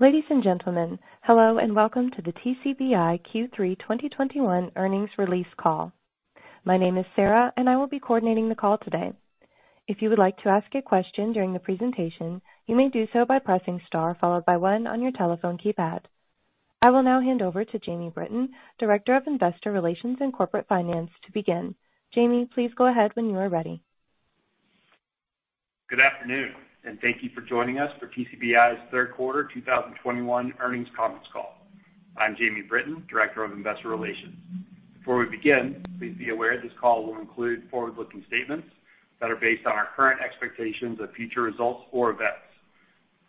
Ladies and gentlemen, hello and welcome to the TCBI Q3 2021 earnings release call. My name is Sarah, and I will be coordinating the call today. If you would like to ask a question during the presentation, you may do so by pressing star followed by 1 on your telephone keypad. I will now hand over to Jamie Britton, Director of Investor Relations and Corporate Finance, to begin. Jamie, please go ahead when you are ready. Good afternoon. Thank you for joining us for TCBI's third quarter 2021 earnings conference call. I'm Jamie Britton, Director of Investor Relations. Before we begin, please be aware this call will include forward-looking statements that are based on our current expectations of future results or events.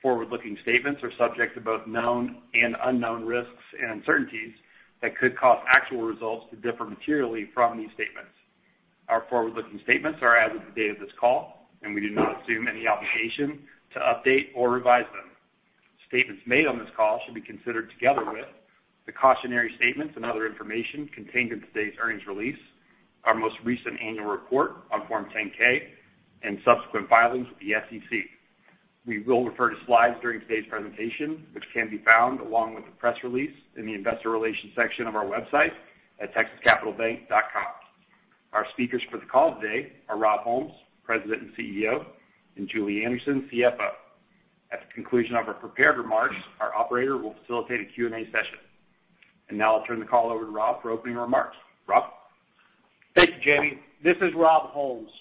Forward-looking statements are subject to both known and unknown risks and uncertainties that could cause actual results to differ materially from these statements. Our forward-looking statements are as of the date of this call, and we do not assume any obligation to update or revise them. Statements made on this call should be considered together with the cautionary statements and other information contained in today's earnings release, our most recent annual report on Form 10-K, and subsequent filings with the SEC. We will refer to slides during today's presentation, which can be found along with the press release in the investor relations section of our website at texascapitalbank.com. Our speakers for the call today are Rob Holmes, President and CEO, and Julie Anderson, CFO. At the conclusion of our prepared remarks, our operator will facilitate a Q&A session. Now I'll turn the call over to Rob for opening remarks. Rob? Thank you, Jamie. This is Rob Holmes.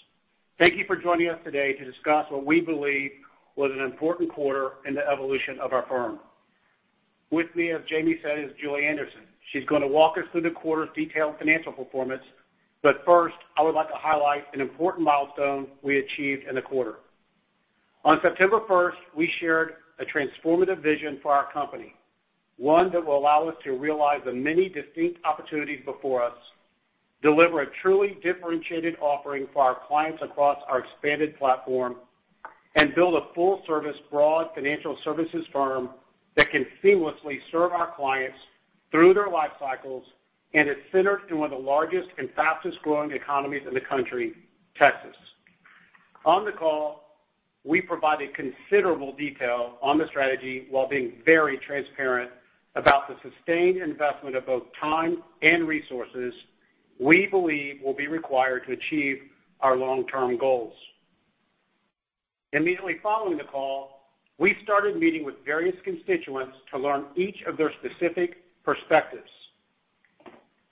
Thank you for joining us today to discuss what we believe was an important quarter in the evolution of our firm. With me, as Jamie said, is Julie Anderson. She's going to walk us through the quarter's detailed financial performance. First, I would like to highlight an important milestone we achieved in the quarter. On September 1st, we shared a transformative vision for our company, one that will allow us to realize the many distinct opportunities before us, deliver a truly differentiated offering for our clients across our expanded platform, and build a full-service, broad financial services firm that can seamlessly serve our clients through their life cycles and is centered in one of the largest and fastest-growing economies in the country, Texas. On the call, we provided considerable detail on the strategy while being very transparent about the sustained investment of both time and resources we believe will be required to achieve our long-term goals. Immediately following the call, we started meeting with various constituents to learn each of their specific perspectives.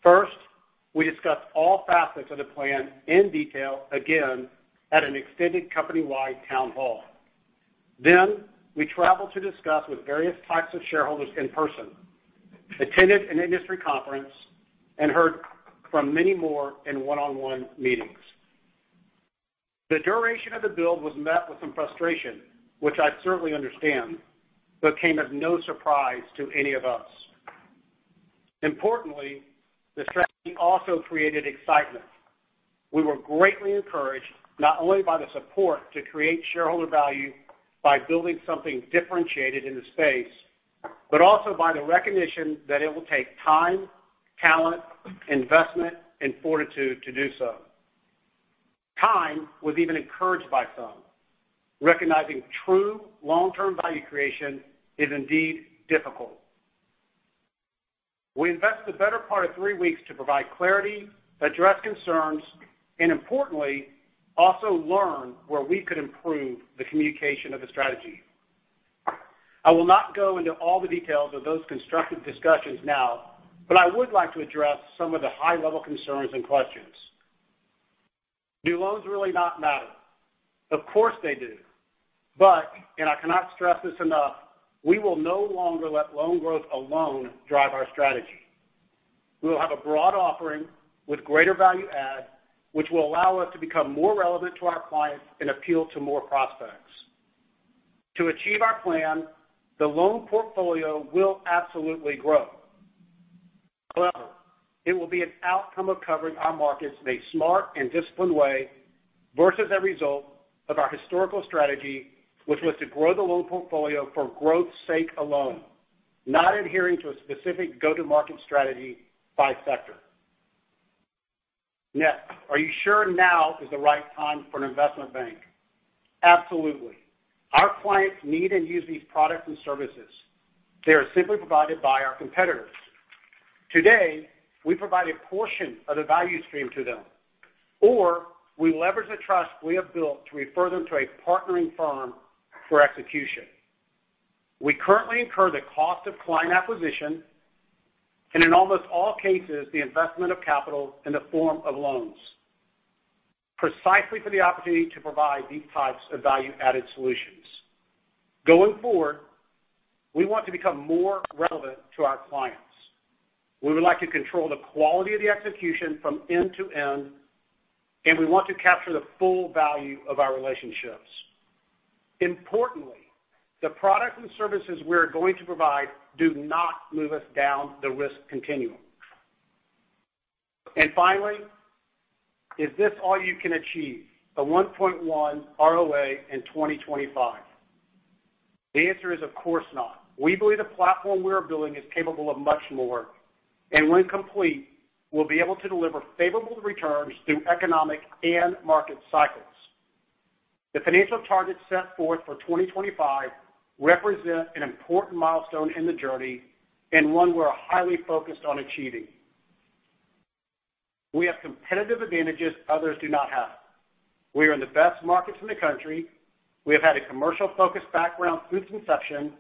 First, we discussed all facets of the plan in detail again at an extended company-wide town hall. We traveled to discuss with various types of shareholders in person, attended an industry conference, and heard from many more in one-on-one meetings. The duration of the build was met with some frustration, which I certainly understand, but came as no surprise to any of us. Importantly, the strategy also created excitement. We were greatly encouraged, not only by the support to create shareholder value by building something differentiated in the space, but also by the recognition that it will take time, talent, investment, and fortitude to do so. Time was even encouraged by some, recognizing true long-term value creation is indeed difficult. We invested the better part of three weeks to provide clarity, address concerns, and importantly, also learn where we could improve the communication of the strategy. I will not go into all the details of those constructive discussions now, but I would like to address some of the high-level concerns and questions. Do loans really not matter? Of course, they do. I cannot stress this enough, we will no longer let loan growth alone drive our strategy. We will have a broad offering with greater value add, which will allow us to become more relevant to our clients and appeal to more prospects. To achieve our plan, the loan portfolio will absolutely grow. However, it will be an outcome of covering our markets in a smart and disciplined way versus a result of our historical strategy, which was to grow the loan portfolio for growth's sake alone, not adhering to a specific go-to-market strategy by sector. Next, are you sure now is the right time for an investment bank? Absolutely. Our clients need and use these products and services. They are simply provided by our competitors. Today, we provide a portion of the value stream to them, or we leverage the trust we have built to refer them to a partnering firm for execution. We currently incur the cost of client acquisition and, in almost all cases, the investment of capital in the form of loans precisely for the opportunity to provide these types of value-added solutions. Going forward, we want to become more relevant to our clients. We would like to control the quality of the execution from end to end, and we want to capture the full value of our relationships. Importantly, the products and services we are going to provide do not move us down the risk continuum. Finally, is this all you can achieve, a 1.1 ROA in 2025? The answer is of course not. We believe the platform we are building is capable of much more and when complete, will be able to deliver favorable returns through economic and market cycles. The financial targets set forth for 2025 represent an important milestone in the journey and one we're highly focused on achieving. We have competitive advantages others do not have. We are in the best markets in the country. We have had a commercial focus background since inception,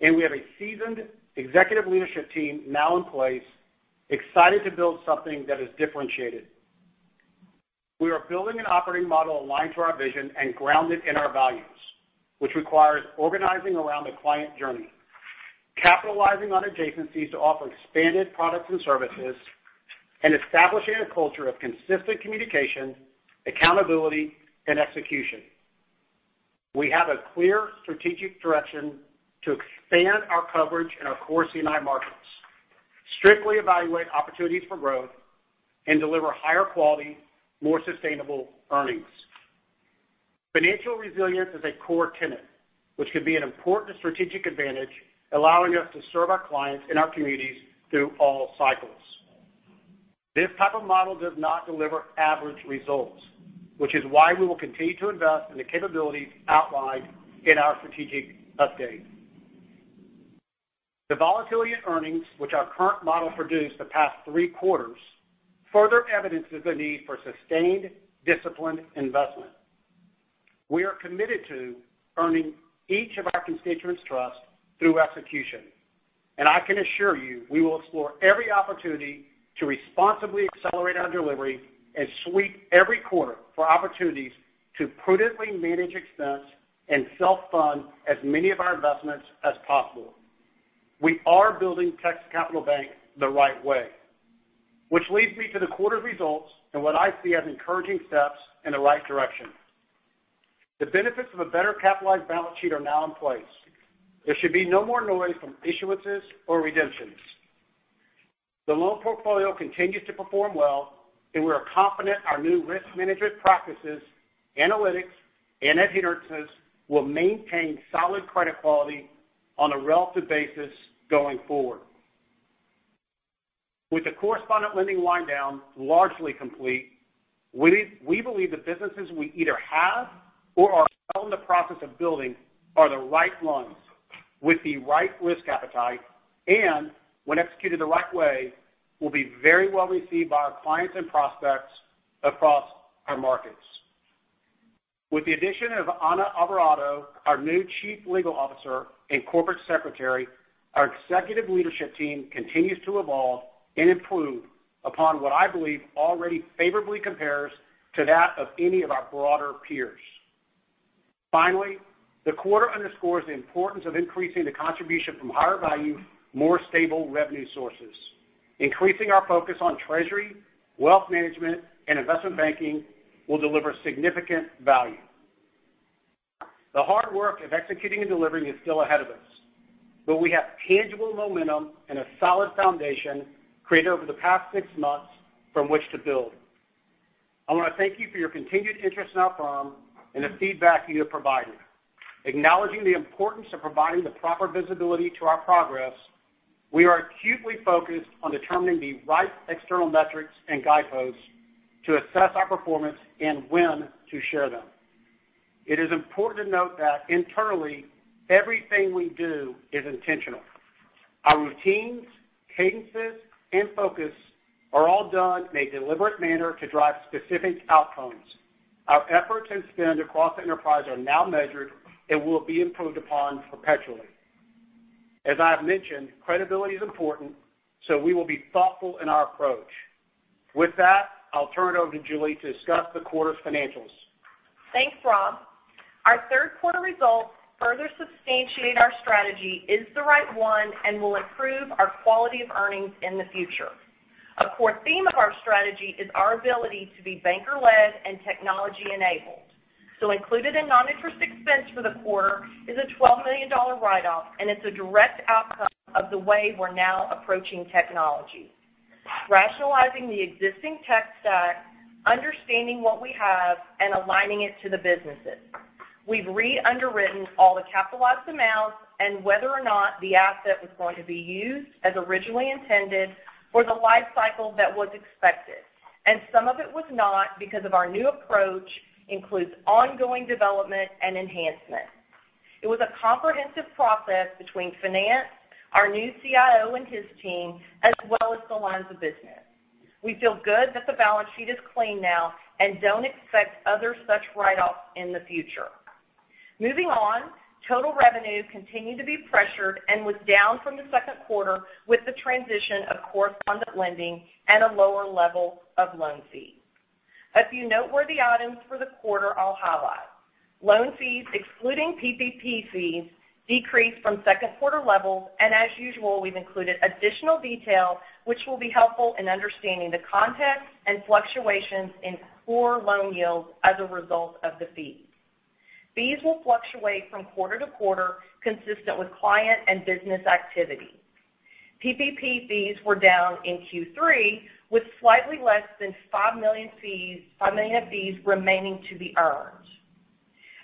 and we have a seasoned executive leadership team now in place, excited to build something that is differentiated. We are building an operating model aligned to our vision and grounded in our values, which requires organizing around the client journey, capitalizing on adjacencies to offer expanded products and services, and establishing a culture of consistent communication, accountability, and execution. We have a clear strategic direction to expand our coverage in our core C&I markets, strictly evaluate opportunities for growth, and deliver higher quality, more sustainable earnings. Financial resilience is a core tenet, which could be an important strategic advantage, allowing us to serve our clients and our communities through all cycles. This type of model does not deliver average results, which is why we will continue to invest in the capabilities outlined in our strategic update. The volatility in earnings which our current model produced the past three quarters further evidences the need for sustained, disciplined investment. We are committed to earning each of our constituents' trust through execution, and I can assure you, we will explore every opportunity to responsibly accelerate our delivery and sweep every quarter for opportunities to prudently manage expense and self-fund as many of our investments as possible. We are building Texas Capital Bank the right way. Which leads me to the quarter results and what I see as encouraging steps in the right direction. The benefits of a better capitalized balance sheet are now in place. There should be no more noise from issuances or redemptions. The loan portfolio continues to perform well, and we are confident our new risk management practices, analytics, and adherence will maintain solid credit quality on a relative basis going forward. With the correspondent lending wind down largely complete, we believe the businesses we either have or are well in the process of building are the right loans with the right risk appetite, and when executed the right way, will be very well received by our clients and prospects across our markets. With the addition of Anna Alvarado, our new Chief Legal Officer and Corporate Secretary, our executive leadership team continues to evolve and improve upon what I believe already favorably compares to that of any of our broader peers. Finally, the quarter underscores the importance of increasing the contribution from higher value, more stable revenue sources. Increasing our focus on treasury, wealth management, and investment banking will deliver significant value. The hard work of executing and delivering is still ahead of us, but we have tangible momentum and a solid foundation created over the past six months from which to build. I want to thank you for your continued interest in our firm and the feedback you have provided. Acknowledging the importance of providing the proper visibility to our progress, we are acutely focused on determining the right external metrics and guideposts to assess our performance and when to share them. It is important to note that internally, everything we do is intentional. Our routines, cadences, and focus are all done in a deliberate manner to drive specific outcomes. Our effort and spend across the enterprise are now measured and will be improved upon perpetually. As I have mentioned, credibility is important, so we will be thoughtful in our approach. With that, I'll turn it over to Julie to discuss the quarter's financials. Thanks, Rob. Our third quarter results further substantiate our strategy is the right one and will improve our quality of earnings in the future. A core theme of our strategy is our ability to be banker-led and technology-enabled. Included in non-interest expense for the quarter is a $12 million write-off, and it's a direct outcome of the way we're now approaching technology. Rationalizing the existing tech stack, understanding what we have, and aligning it to the businesses. We've re-underwritten all the capitalized amounts and whether or not the asset was going to be used as originally intended for the life cycle that was expected. Some of it was not, because of our new approach includes ongoing development and enhancement. It was a comprehensive process between finance, our new CIO and his team, as well as the lines of business. We feel good that the balance sheet is clean now and don't expect other such write-offs in the future. Moving on, total revenue continued to be pressured and was down from the second quarter with the transition of correspondent lending and a lower level of loan fees. A few noteworthy items for the quarter I'll highlight. Loan fees, excluding PPP fees, decreased from second quarter levels, and as usual, we've included additional detail which will be helpful in understanding the context and fluctuations in core loan yields as a result of the fees. Fees will fluctuate from quarter to quarter, consistent with client and business activity. PPP fees were down in Q3, with slightly less than $5 million of fees remaining to be earned.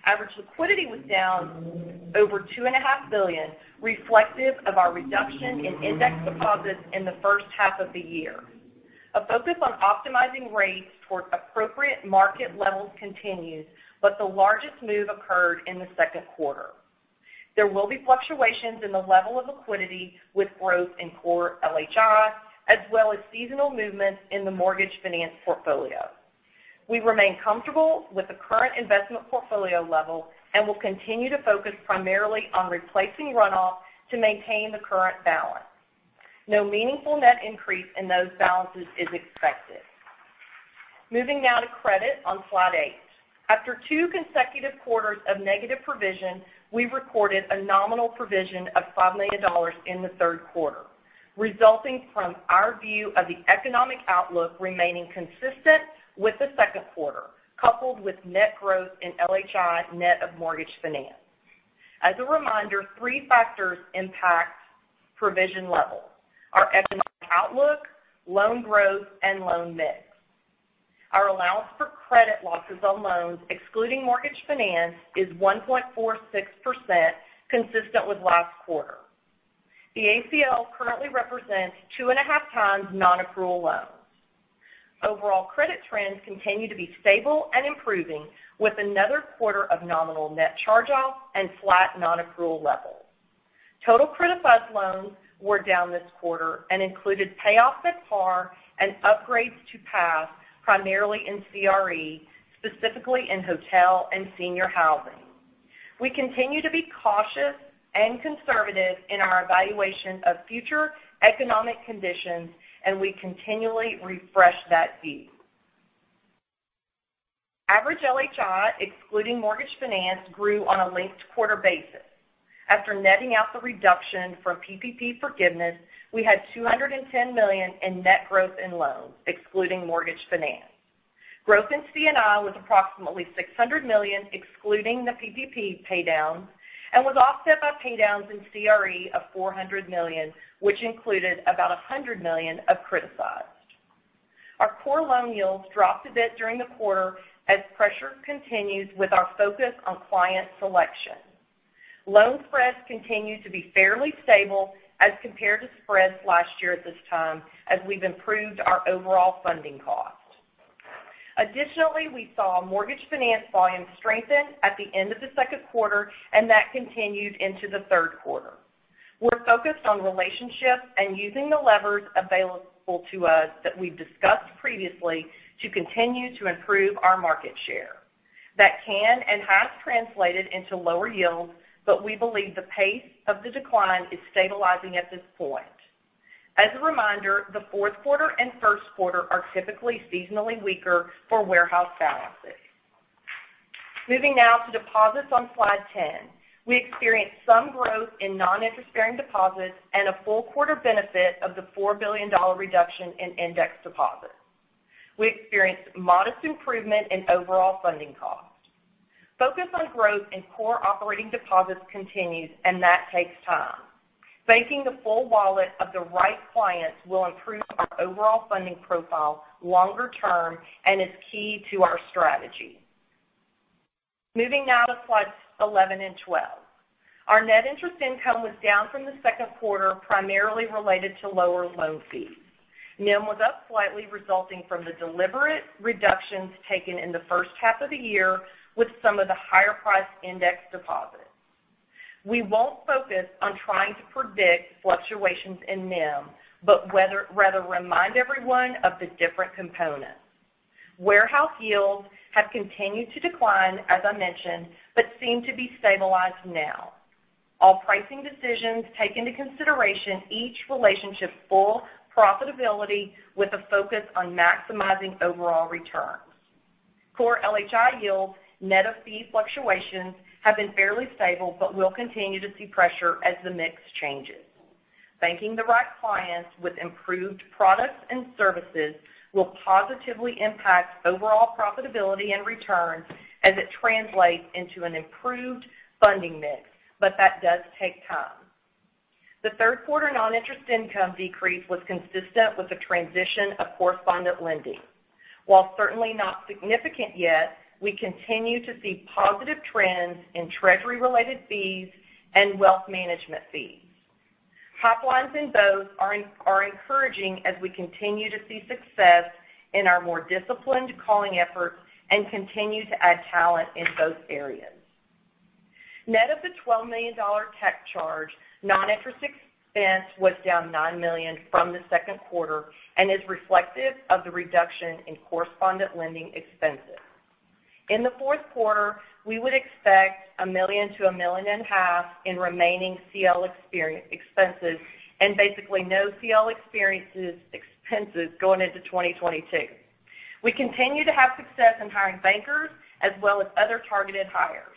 Average liquidity was down over two and a half billion, reflective of our reduction in index deposits in the first half of the year. A focus on optimizing rates towards appropriate market levels continues, but the largest move occurred in the second quarter. There will be fluctuations in the level of liquidity with growth in core LHI, as well as seasonal movements in the mortgage finance portfolio. We remain comfortable with the current investment portfolio level and will continue to focus primarily on replacing runoff to maintain the current balance. No meaningful net increase in those balances is expected. Moving now to credit on slide eight. After two consecutive quarters of negative provision, we recorded a nominal provision of $5 million in the third quarter, resulting from our view of the economic outlook remaining consistent with the second quarter, coupled with net growth in LHI, net of mortgage finance. As a reminder, three factors impact provision levels: our economic outlook, loan growth, and loan mix. Our allowance for credit losses on loans, excluding mortgage finance, is 1.46%, consistent with last quarter. The ACL currently represents 2.5x non-accrual loans. Overall credit trends continue to be stable and improving with another quarter of nominal net charge-offs and flat non-accrual levels. Total criticized loans were down this quarter and included payoffs at par and upgrades to pass primarily in CRE, specifically in hotel and senior housing. We continue to be cautious and conservative in our evaluation of future economic conditions, and we continually refresh that view. Average LHI, excluding mortgage finance, grew on a linked-quarter basis. After netting out the reduction from PPP forgiveness, we had $210 million in net growth in loans, excluding mortgage finance. Growth in C&I was approximately $600 million, excluding the PPP paydown, and was offset by paydowns in CRE of $400 million, which included about $100 million of criticized. Our core loan yields dropped a bit during the quarter as pressure continues with our focus on client selection. Loan spreads continue to be fairly stable as compared to spreads last year at this time, as we've improved our overall funding cost. Additionally, we saw mortgage finance volume strengthen at the end of the second quarter, and that continued into the third quarter. We're focused on relationships and using the levers available to us that we've discussed previously to continue to improve our market share. That can and has translated into lower yields, but we believe the pace of the decline is stabilizing at this point. As a reminder, the fourth quarter and first quarter are typically seasonally weaker for warehouse balances. Moving now to deposits on slide 10. We experienced some growth in non-interest-bearing deposits and a full quarter benefit of the $4 billion reduction in index deposits. We experienced modest improvement in overall funding costs. Focus on growth in core operating deposits continues, and that takes time. Banking the full wallet of the right clients will improve our overall funding profile longer term and is key to our strategy. Moving now to slides 11 and 12. Our net interest income was down from the second quarter, primarily related to lower loan fees. NIM was up slightly, resulting from the deliberate reductions taken in the first half of the year with some of the higher priced index deposits. We won't focus on trying to predict fluctuations in NIM, but rather remind everyone of the different components. Warehouse yields have continued to decline, as I mentioned, but seem to be stabilized now. All pricing decisions take into consideration each relationship's full profitability with a focus on maximizing overall returns. Core LHI yields, net of fee fluctuations, have been fairly stable but will continue to see pressure as the mix changes. Banking the right clients with improved products and services will positively impact overall profitability and returns as it translates into an improved funding mix, but that does take time. The third quarter non-interest income decrease was consistent with the transition of correspondent lending. While certainly not significant yet, we continue to see positive trends in treasury-related fees and wealth management fees. Top lines in those are encouraging as we continue to see success in our more disciplined calling efforts and continue to add talent in both areas. Net of the $12 million tech charge, non-interest expense was down $9 million from the second quarter and is reflective of the reduction in correspondent lending expenses. In the fourth quarter, we would expect $1 million to $1 million and half in remaining CL expenses, basically no CL expenses going into 2022. We continue to have success in hiring bankers as well as other targeted hires.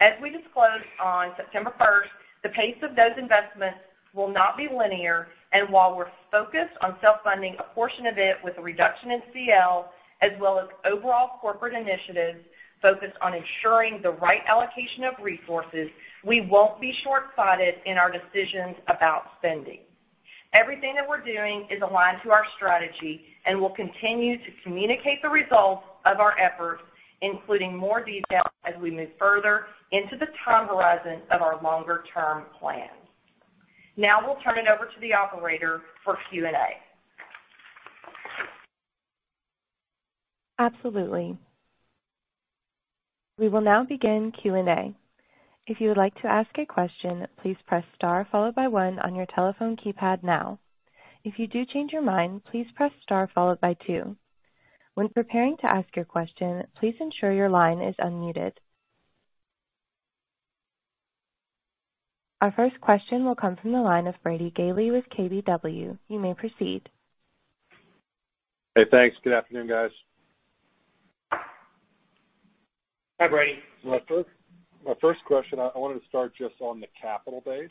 As we disclosed on September 1st, the pace of those investments will not be linear. While we're focused on self-funding a portion of it with a reduction in CL, as well as overall corporate initiatives focused on ensuring the right allocation of resources, we won't be short-sighted in our decisions about spending. Everything that we're doing is aligned to our strategy. We'll continue to communicate the results of our efforts, including more detail as we move further into the time horizon of our longer-term plan. Now we'll turn it over to the operator for Q&A. Absolutely. We will now begin Q&A. Our first question will come from the line of Brady Gailey with KBW. You may proceed. Hey, thanks. Good afternoon, guys. Hi, Brady. My first question, I wanted to start just on the capital base.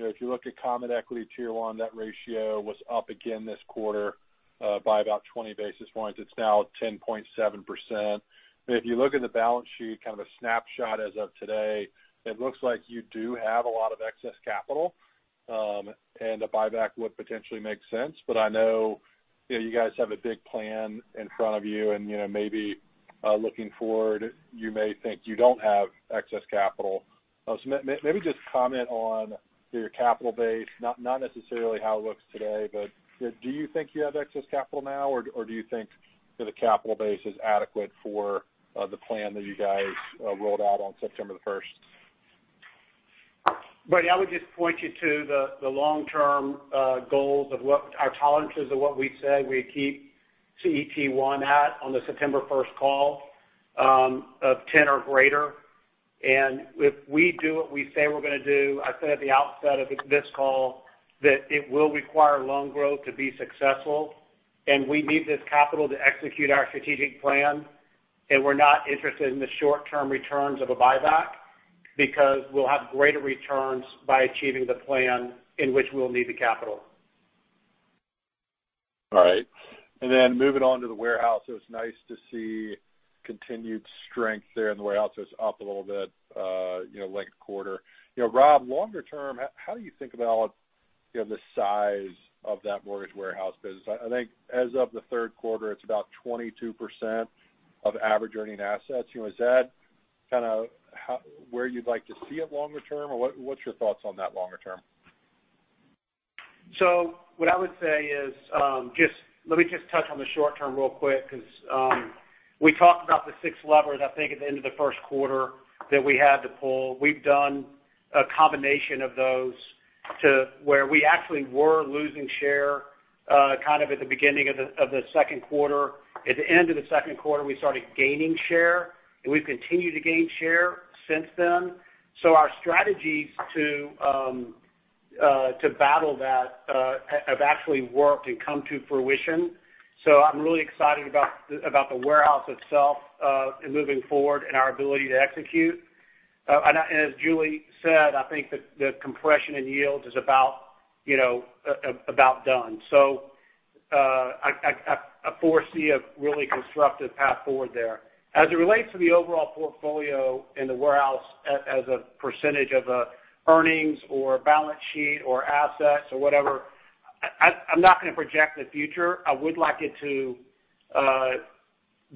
If you look at common equity Tier 1, that ratio was up again this quarter by about 20 basis points. It is now at 10.7%. If you look at the balance sheet, kind of a snapshot as of today, it looks like you do have a lot of excess capital, and a buyback would potentially make sense. I know you guys have a big plan in front of you, and maybe looking forward, you may think you don't have excess capital. Maybe just comment on your capital base, not necessarily how it looks today, but do you think you have excess capital now, or do you think that the capital base is adequate for the plan that you guys rolled out on September the 1st? Brady, I would just point you to the long-term goals of what our tolerances of what we said we'd keep CET1 at on the September 1st call of 10 or greater. If we do what we say we're going to do, I said at the outset of this call that it will require loan growth to be successful, and we need this capital to execute our strategic plan, and we're not interested in the short-term returns of a buyback because we'll have greater returns by achieving the plan in which we'll need the capital. All right. Moving on to the warehouse, it was nice to see continued strength there in the warehouse. It's up a little bit linked quarter. Rob, longer term, how do you think about the size of that mortgage warehouse business? I think as of the third quarter, it's about 22% of average earning assets. Is that kind of where you'd like to see it longer term, or what's your thoughts on that longer term? What I would say is, let me just touch on the short term real quick because we talked about the six levers, I think, at the end of the first quarter that we had to pull. We've done a combination of those to where we actually were losing share kind of at the beginning of the second quarter. At the end of the second quarter, we started gaining share, and we've continued to gain share since then. Our strategies to battle that have actually worked and come to fruition. I'm really excited about the warehouse itself moving forward and our ability to execute. As Julie said, I think that the compression in yields is about done. I foresee a really constructive path forward there. As it relates to the overall portfolio in the warehouse as a percentage of earnings or balance sheet or assets or whatever, I'm not going to project the future. I would like it to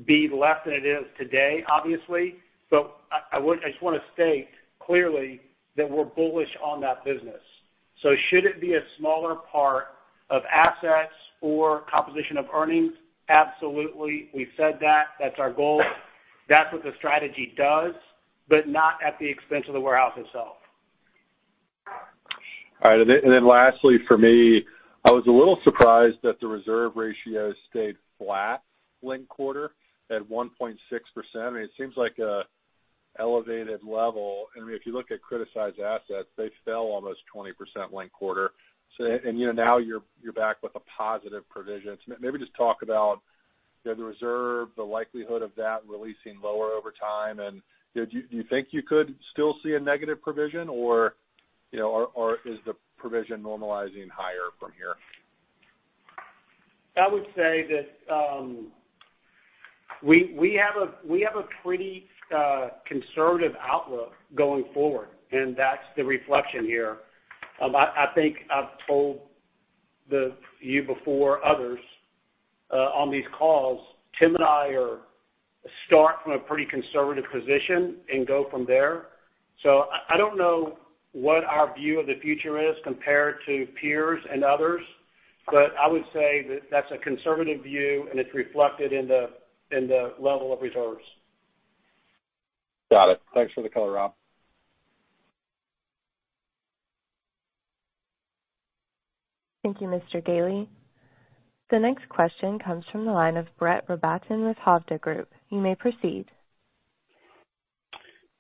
be less than it is today, obviously. I just want to state clearly that we're bullish on that business. Should it be a smaller part of assets or composition of earnings? Absolutely. We've said that. That's our goal. That's what the strategy does, but not at the expense of the warehouse itself. All right. Lastly for me, I was a little surprised that the reserve ratio stayed flat linked quarter at 1.6%. It seems like an elevated level. If you look at criticized assets, they fell almost 20% linked quarter. Now you're back with a positive provision. Maybe just talk about the reserve, the likelihood of that releasing lower over time, and do you think you could still see a negative provision, or is the provision normalizing higher from here? I would say that we have a pretty conservative outlook going forward, and that's the reflection here. I think I've told you before, others on these calls, Tim and I start from a pretty conservative position and go from there. I don't know what our view of the future is compared to peers and others, but I would say that that's a conservative view and it's reflected in the level of reserves. Got it. Thanks for the color, Rob. Thank you, Mr. Gailey. The next question comes from the line of Brett Rabatin with Hovde Group. You may proceed.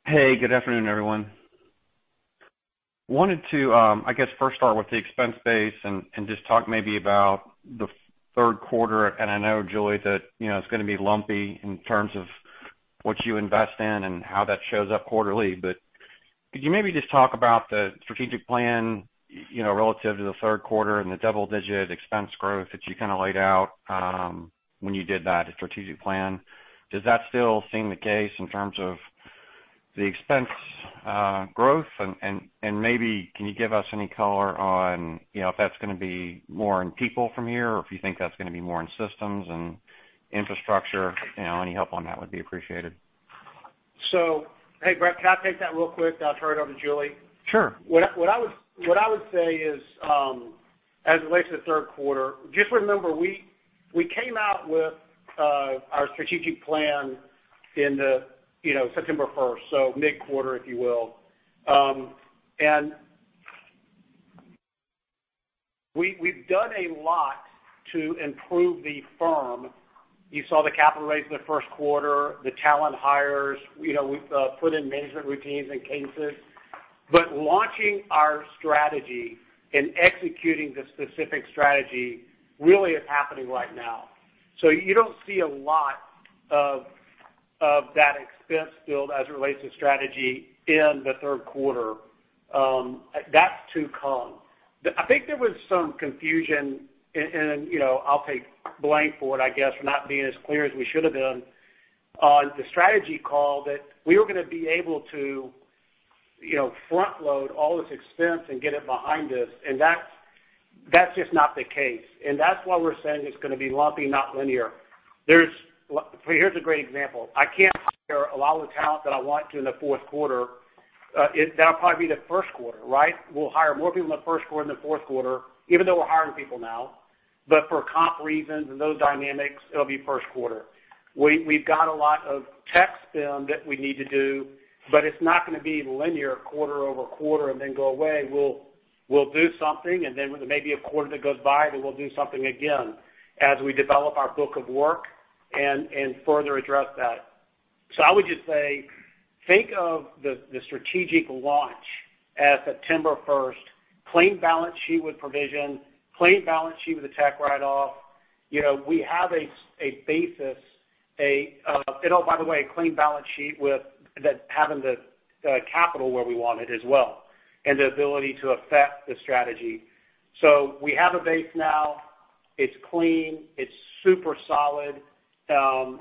Hey, good afternoon, everyone. Wanted to, I guess first start with the expense base and just talk maybe about the third quarter. I know, Julie, that it's going to be lumpy in terms of what you invest in and how that shows up quarterly. Could you maybe just talk about the strategic plan relative to the third quarter and the double-digit expense growth that you kind of laid out when you did that strategic plan? Does that still seem the case in terms of the expense growth? Maybe can you give us any color on if that's going to be more in people from here, or if you think that's going to be more in systems and infrastructure? Any help on that would be appreciated. Hey, Brett, can I take that real quick, then I'll turn it over to Julie? Sure. What I would say is, as it relates to the third quarter, just remember, we came out with our strategic plan in September 1st, so mid-quarter, if you will. We've done a lot to improve the firm. You saw the capital raise in the first quarter, the talent hires. We've put in management routines and cases. Launching our strategy and executing the specific strategy really is happening right now. You don't see a lot of that expense build as it relates to strategy in the third quarter. That's to come. I think there was some confusion, and I'll take blame for it, I guess, for not being as clear as we should've been on the strategy call that we were going to be able to front-load all this expense and get it behind us, and that's just not the case. That's why we're saying it's going to be lumpy, not linear. Here's a great example. I can't hire a lot of the talent that I want to in the fourth quarter. That'll probably be the first quarter, right? We'll hire more people in the first quarter than the fourth quarter, even though we're hiring people now. For comp reasons and those dynamics, it'll be first quarter. We've got a lot of tech spend that we need to do, but it's not going to be linear quarter-over-quarter and then go away. We'll do something, and then there may be a quarter that goes by, then we'll do something again as we develop our book of work and further address that. I would just say, think of the strategic launch at September 1st, clean balance sheet with provision, clean balance sheet with the tech write-off. We have a basis, and oh, by the way, a clean balance sheet with having the capital where we want it as well, and the ability to affect the strategy. We have a base now. It's clean. It's super solid. The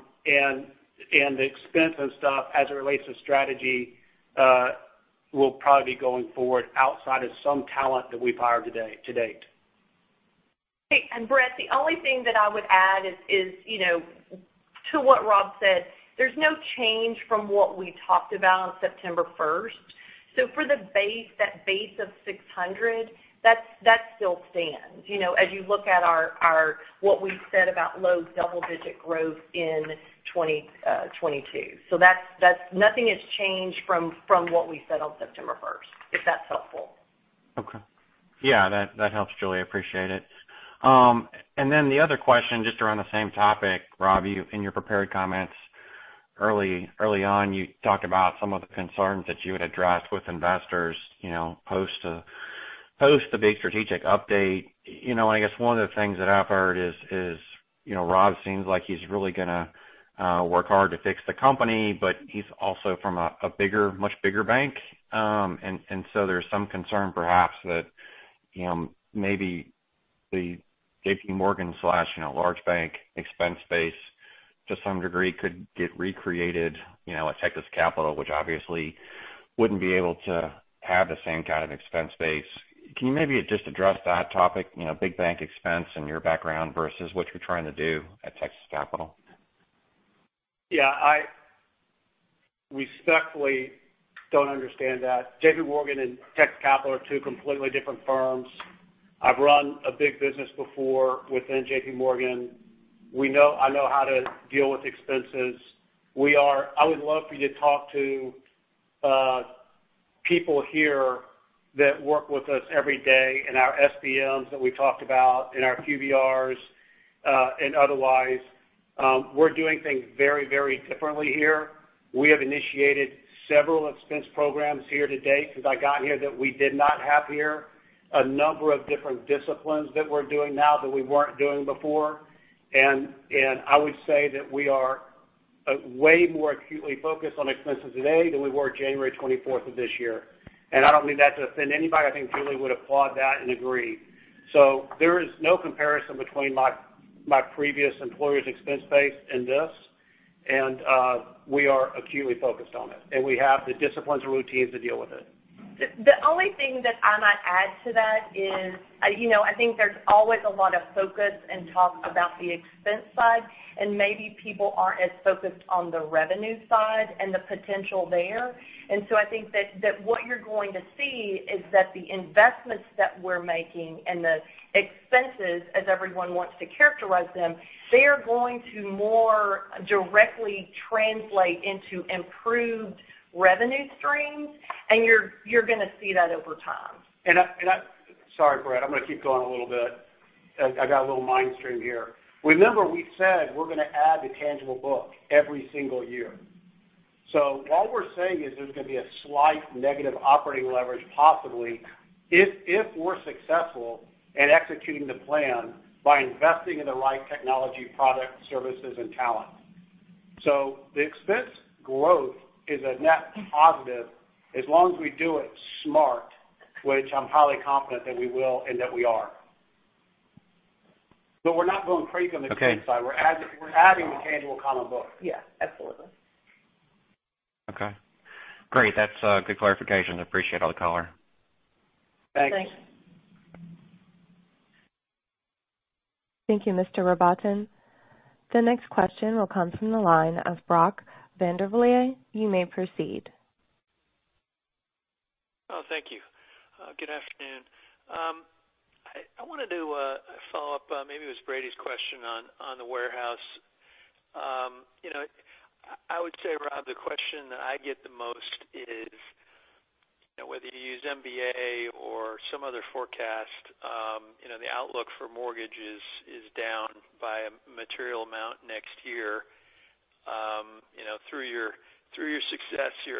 expense and stuff, as it relates to strategy, will probably be going forward outside of some talent that we've hired to date. Hey, Brett, the only thing that I would add is to what Rob said, there's no change from what we talked about on September 1st. For the base, that base of 600, that still stands. As you look at what we said about low double-digit growth in 2022. Nothing has changed from what we said on September 1st, if that's helpful. Okay. Yeah, that helps, Julie. I appreciate it. The other question, just around the same topic, Rob, in your prepared comments early on, you talked about some of the concerns that you had addressed with investors post the big strategic update. I guess one of the things that I've heard is Rob seems like he's really going to work hard to fix the company, but he's also from a much bigger bank. There's some concern, perhaps, that maybe the JPMorgan/large bank expense base to some degree could get recreated at Texas Capital, which obviously wouldn't be able to have the same kind of expense base. Can you maybe just address that topic, big bank expense and your background versus what you're trying to do at Texas Capital? Yeah. I respectfully don't understand that. JPMorgan and Texas Capital are two completely different firms. I've run a big business before within JPMorgan. I know how to deal with expenses. I would love for you to talk to people here that work with us every day in our SBMs that we talked about, in our QBRs, and otherwise. We're doing things very differently here. We have initiated several expense programs here to date since I got here that we did not have here. A number of different disciplines that we're doing now that we weren't doing before. I would say that we are way more acutely focused on expenses today than we were January 24th of this year. I don't mean that to offend anybody. I think Julie would applaud that and agree. There is no comparison between my previous employer's expense base and this, and we are acutely focused on it, and we have the disciplines and routines to deal with it. The only thing that I might add to that is I think there's always a lot of focus and talk about the expense side, and maybe people aren't as focused on the revenue side and the potential there. I think that what you're going to see is that the investments that we're making and the expenses, as everyone wants to characterize them, they are going to more directly translate into improved revenue streams, and you're going to see that over time. Sorry, Brett, I'm going to keep going a little bit. I got a little mind stream here. Remember we said we're going to add to tangible book every single year. All we're saying is there's going to be a slight negative operating leverage possibly if we're successful in executing the plan by investing in the right technology, product, services, and talent. The expense growth is a net positive as long as we do it smart, which I'm highly confident that we will and that we are. We're not going crazy on the expense side. We're adding to tangible common book. Yeah. Absolutely. Okay. Great. That's a good clarification. I appreciate all the color. Thanks. Thank you, Mr. Rabatin. The next question will come from the line of Brock Vandervliet. You may proceed. Oh, thank you. Good afternoon. I wanted to follow up, maybe it was Brady's question on the warehouse. I would say, Rob, the question that I get the most is whether you use MBA or some other forecast, the outlook for mortgages is down by a material amount next year. Through your success, you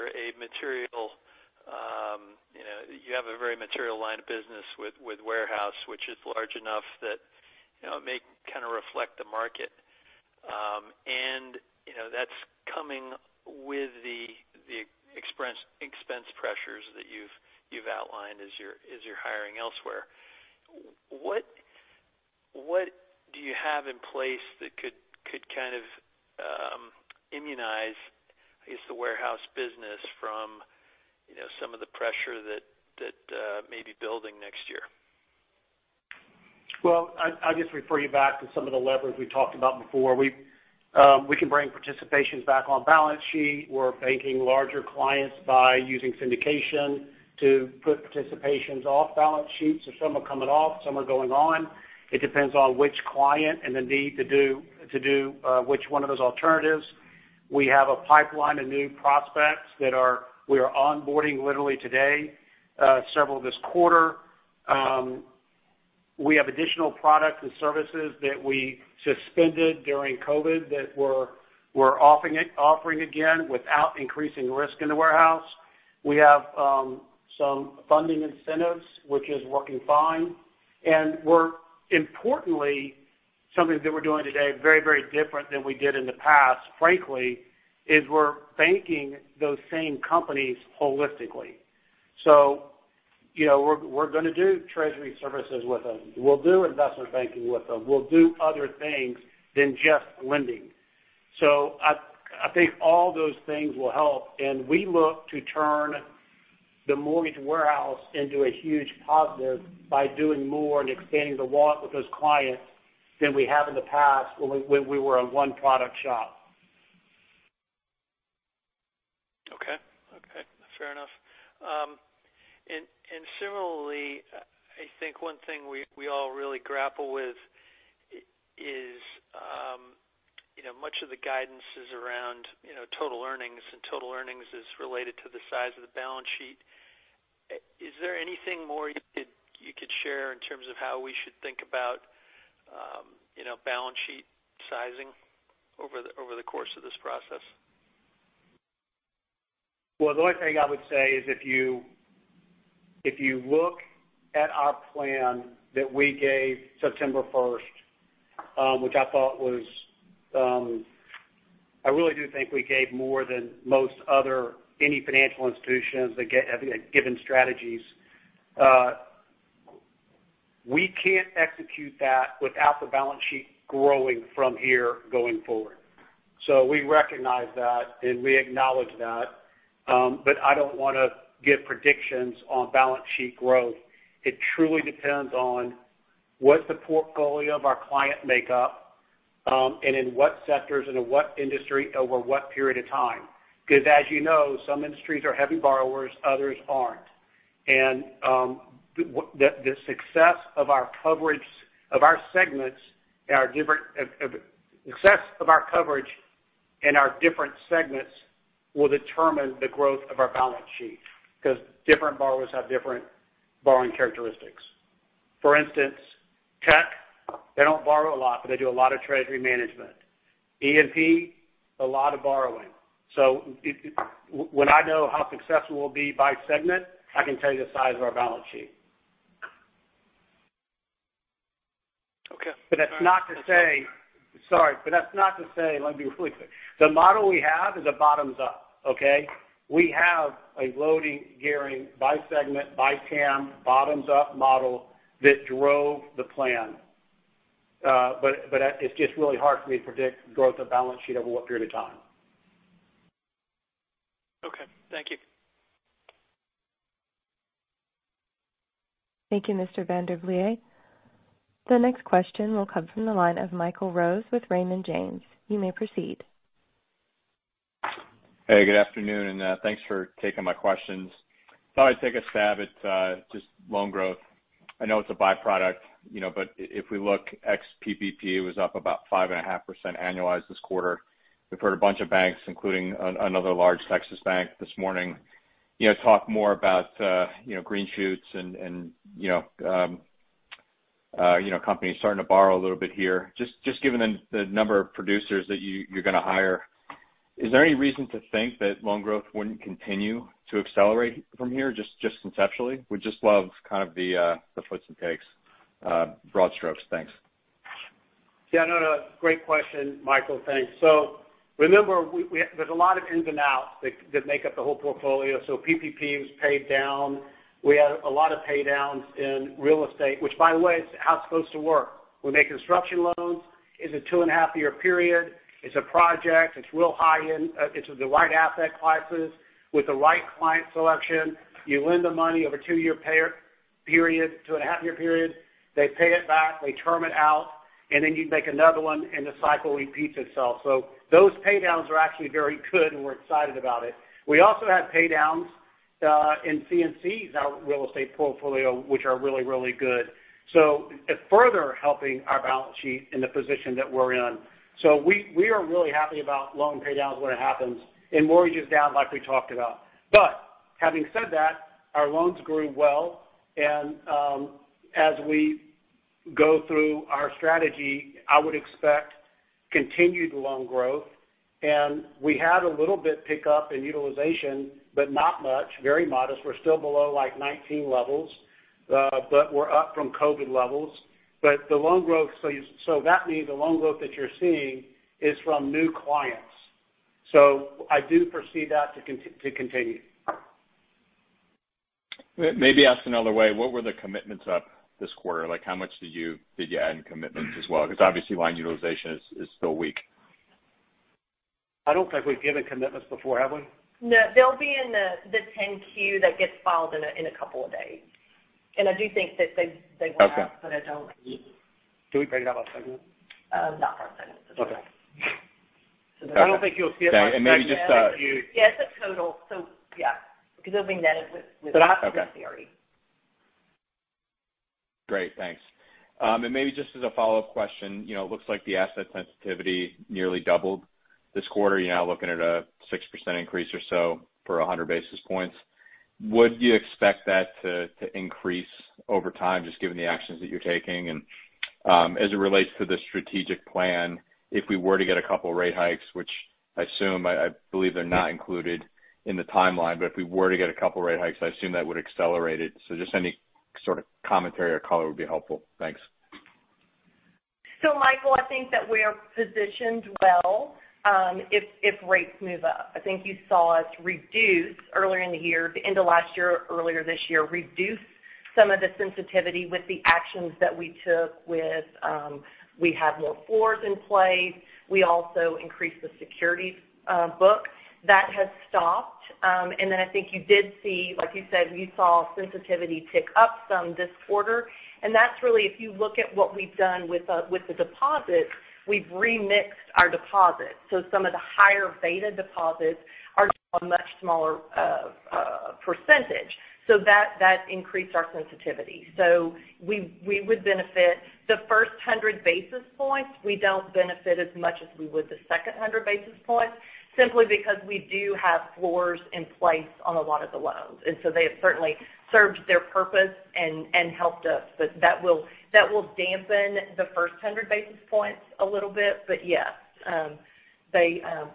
have a very material line of business with warehouse, which is large enough that it may kind of reflect the market. That's coming with the expense pressures that you've outlined as you're hiring elsewhere. What do you have in place that could kind of immunize, I guess, the warehouse business from some of the pressure that may be building next year? I'll just refer you back to some of the levers we talked about before. We can bring participations back on balance sheet. We're banking larger clients by using syndication to put participations off balance sheets. Some are coming off, some are going on. It depends on which client and the need to do which one of those alternatives. We have a pipeline of new prospects that we are onboarding literally today, several this quarter. We have additional products and services that we suspended during COVID that we're offering again without increasing risk in the warehouse. We have some funding incentives, which is working fine, importantly, something that we're doing today very different than we did in the past, frankly, is we're banking those same companies holistically. We're going to do treasury services with them. We'll do investment banking with them. We'll do other things than just lending. I think all those things will help. We look to turn the mortgage warehouse into a huge positive by doing more and expanding the wallet with those clients than we have in the past when we were a one-product shop. Okay. Fair enough. Similarly, I think one thing we all really grapple with is much of the guidance is around total earnings, and total earnings is related to the size of the balance sheet. Is there anything more you could share in terms of how we should think about balance sheet sizing over the course of this process? Well, the only thing I would say is if you look at our plan that we gave September 1st, which I really do think we gave more than most other any financial institutions that have given strategies. We can't execute that without the balance sheet growing from here going forward. We recognize that, and we acknowledge that. I don't want to give predictions on balance sheet growth. It truly depends on what the portfolio of our client makeup, and in what sectors and in what industry over what period of time. As you know, some industries are heavy borrowers, others aren't. The success of our coverage in our different segments will determine the growth of our balance sheet because different borrowers have different borrowing characteristics. For instance, tech, they don't borrow a lot, but they do a lot of treasury management. E&P, a lot of borrowing. When I know how successful we'll be by segment, I can tell you the size of our balance sheet. Okay. Sorry, that's not to say, let me be really clear. The model we have is a bottoms-up, okay? We have a loading, gearing by segment, by TAM, bottoms-up model that drove the plan. It's just really hard for me to predict growth of balance sheet over what period of time. Okay. Thank you. Thank you, Mr. Vandivlier. The next question will come from the line of Michael Rose with Raymond James. You may proceed. Hey, good afternoon, and thanks for taking my questions. Thought I would take a stab at just loan growth. If we look ex PPP, it was up about 5.5% annualized this quarter. We have heard a bunch of banks, including another large Texas bank this morning, talk more about green shoots and companies starting to borrow a little bit here. Just given the number of producers that you are going to hire, is there any reason to think that loan growth wouldn't continue to accelerate from here? Just conceptually. Would just love kind of the puts and takes, broad strokes. Thanks. Yeah, no. Great question, Michael. Thanks. Remember, there's a lot of ins and outs that make up the whole portfolio. PPP was paid down. We had a lot of paydowns in real estate, which by the way, is how it's supposed to work. We make construction loans. It's a two and a half year period. It's a project. It's real high-end. It's the right asset classes with the right client selection. You lend the money over a two-and-a-half year period. They pay it back, they term it out, then you make another one, the cycle repeats itself. Those paydowns are actually very good, we're excited about it. We also have paydowns in C&D's in our real estate portfolio, which are really, really good, so it's further helping our balance sheet in the position that we're in. We are really happy about loan paydowns when it happens and mortgages down like we talked about. Having said that, our loans grew well. As we go through our strategy, I would expect continued loan growth. We had a little bit pick up in utilization, but not much, very modest. We're still below, like, 2019 levels, but we're up from COVID levels. That means the loan growth that you're seeing is from new clients. I do foresee that to continue. Maybe asked another way, what were the commitments up this quarter? How much did you add in commitments as well? Obviously line utilization is still weak. I don't think we've given commitments before, have we? No, they'll be in the 10-Q that gets filed in a couple of days. I do think that they went up. Okay I don't. Do we break it out by segment? Not by segment. Okay. Okay. Yeah, it's a total. Yeah, because it'll be netted with. Okay with the CRE. Great. Thanks. Maybe just as a follow-up question, it looks like the asset sensitivity nearly doubled this quarter. You're now looking at a 6% increase or so for 100 basis points. Would you expect that to increase over time, just given the actions that you're taking? As it relates to the strategic plan, if we were to get a couple rate hikes, which I assume, I believe they're not included in the timeline, but if we were to get a couple rate hikes, I assume that would accelerate it. Just any sort of commentary or color would be helpful. Thanks. Michael, I think that we are positioned well if rates move up. I think you saw us reduce earlier in the year, the end of last year, earlier this year, reduce some of the sensitivity with the actions that we took, we have more floors in place. We also increased the securities book. That has stopped. I think you did see, like you said, you saw sensitivity tick up some this quarter. That's really if you look at what we've done with the deposits, we've remixed our deposits. Some of the higher beta deposits are now a much smaller percentage. That increased our sensitivity. We would benefit the first 100 basis points. We don't benefit as much as we would the second 100 basis points simply because we do have floors in place on a lot of the loans. They have certainly served their purpose and helped us. That will dampen the first 100 basis points a little bit. Yes,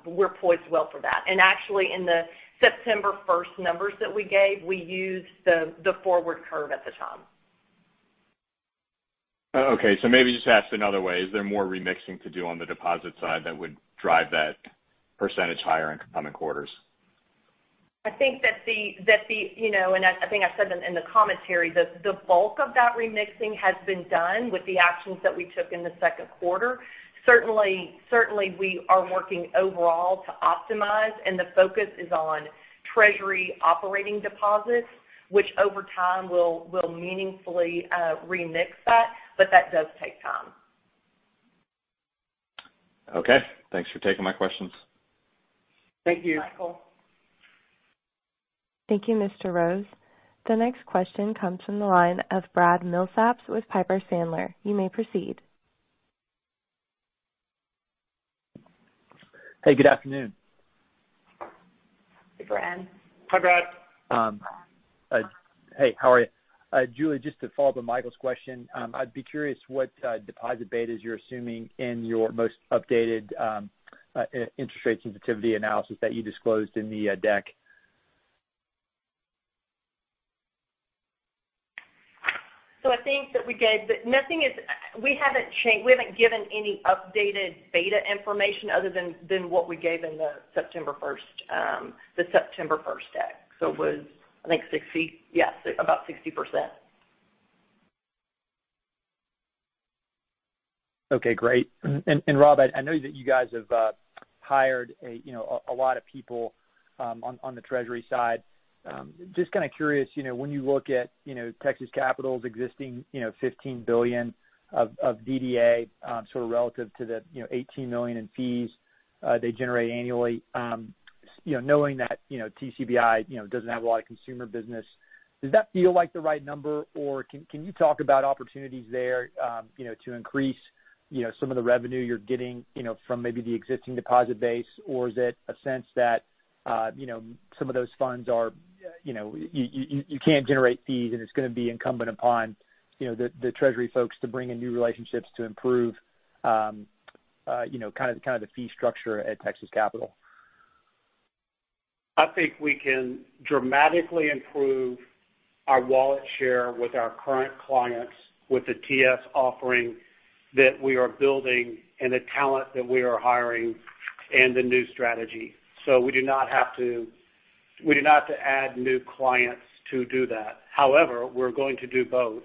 we're poised well for that. Actually, in the September 1st numbers that we gave, we used the forward curve at the time. Okay, maybe just asked another way, is there more remixing to do on the deposit side that would drive that percentage higher in coming quarters? I think I said in the commentary, the bulk of that remixing has been done with the actions that we took in the second quarter. Certainly, we are working overall to optimize, and the focus is on treasury operating deposits, which over time will meaningfully remix that, but that does take time. Okay. Thanks for taking my questions. Thank you. Michael. Thank you, Mr. Rose. The next question comes from the line of Brad Milsaps with Piper Sandler. You may proceed. Hey, good afternoon. Hey, Brad. Hi, Brad. Hey, how are you? Julie, just to follow up on Michael's question, I'd be curious what deposit betas you're assuming in your most updated interest rate sensitivity analysis that you disclosed in the deck. I think that we haven't changed, we haven't given any updated beta information other than what we gave in the September 1st deck. It was, I think 60. Yes, about 60%. Okay, great. Rob, I know that you guys have hired a lot of people on the treasury side. Just kind of curious, when you look at Texas Capital's existing $15 billion of DDA sort of relative to the $18 million in fees they generate annually. Knowing that TCBI doesn't have a lot of consumer business, does that feel like the right number? Can you talk about opportunities there to increase some of the revenue you're getting from maybe the existing deposit base? Is it a sense that some of those funds you can't generate fees and it's going to be incumbent upon the treasury folks to bring in new relationships to improve kind of the fee structure at Texas Capital? I think we can dramatically improve our wallet share with our current clients with the TS offering that we are building and the talent that we are hiring and the new strategy. We do not have to add new clients to do that. We're going to do both.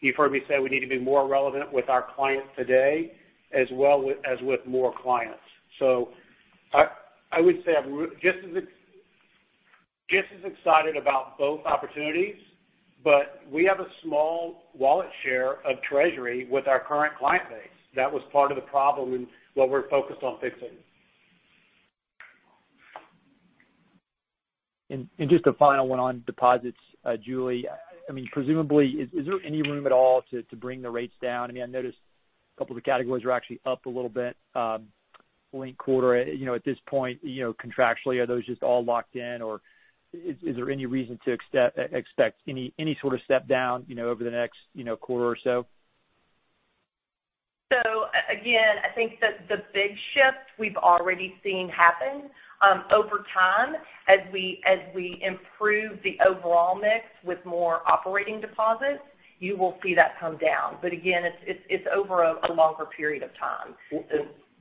You've heard me say we need to be more relevant with our clients today, as well as with more clients. I would say I'm just as excited about both opportunities, but we have a small wallet share of treasury with our current client base. That was part of the problem and what we're focused on fixing. Just a final one on deposits, Julie. Presumably, is there any room at all to bring the rates down? I noticed two of the categories are actually up a little bit linked quarter. At this point, contractually, are those just all locked in? Is there any reason to expect any sort of step down over the next quarter or so? Again, I think that the big shift we've already seen happen. Over time, as we improve the overall mix with more operating deposits, you will see that come down. But again, it's over a longer period of time.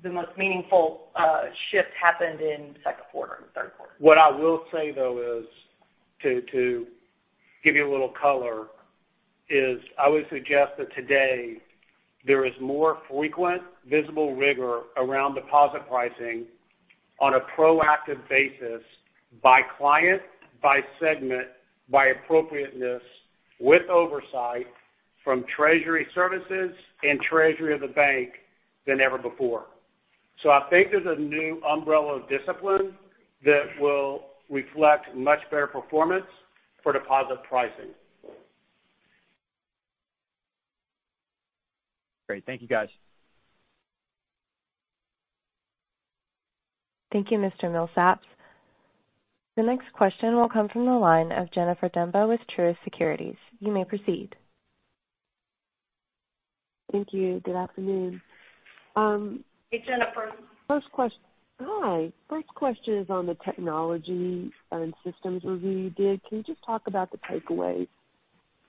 The most meaningful shift happened in the second quarter and third quarter. What I will say, though, is to give you a little color, is I would suggest that today there is more frequent visible rigor around deposit pricing on a proactive basis by client, by segment, by appropriateness, with oversight from treasury services and treasury of the bank than ever before. I think there's a new umbrella of discipline that will reflect much better performance for deposit pricing. Great. Thank you, guys. Thank you, Mr. Milsaps. The next question will come from the line of Jennifer Demba with Truist Securities. You may proceed. Thank you. Good afternoon. Hey, Jennifer. Hi. First question is on the technology and systems review you did. Can you just talk about the takeaways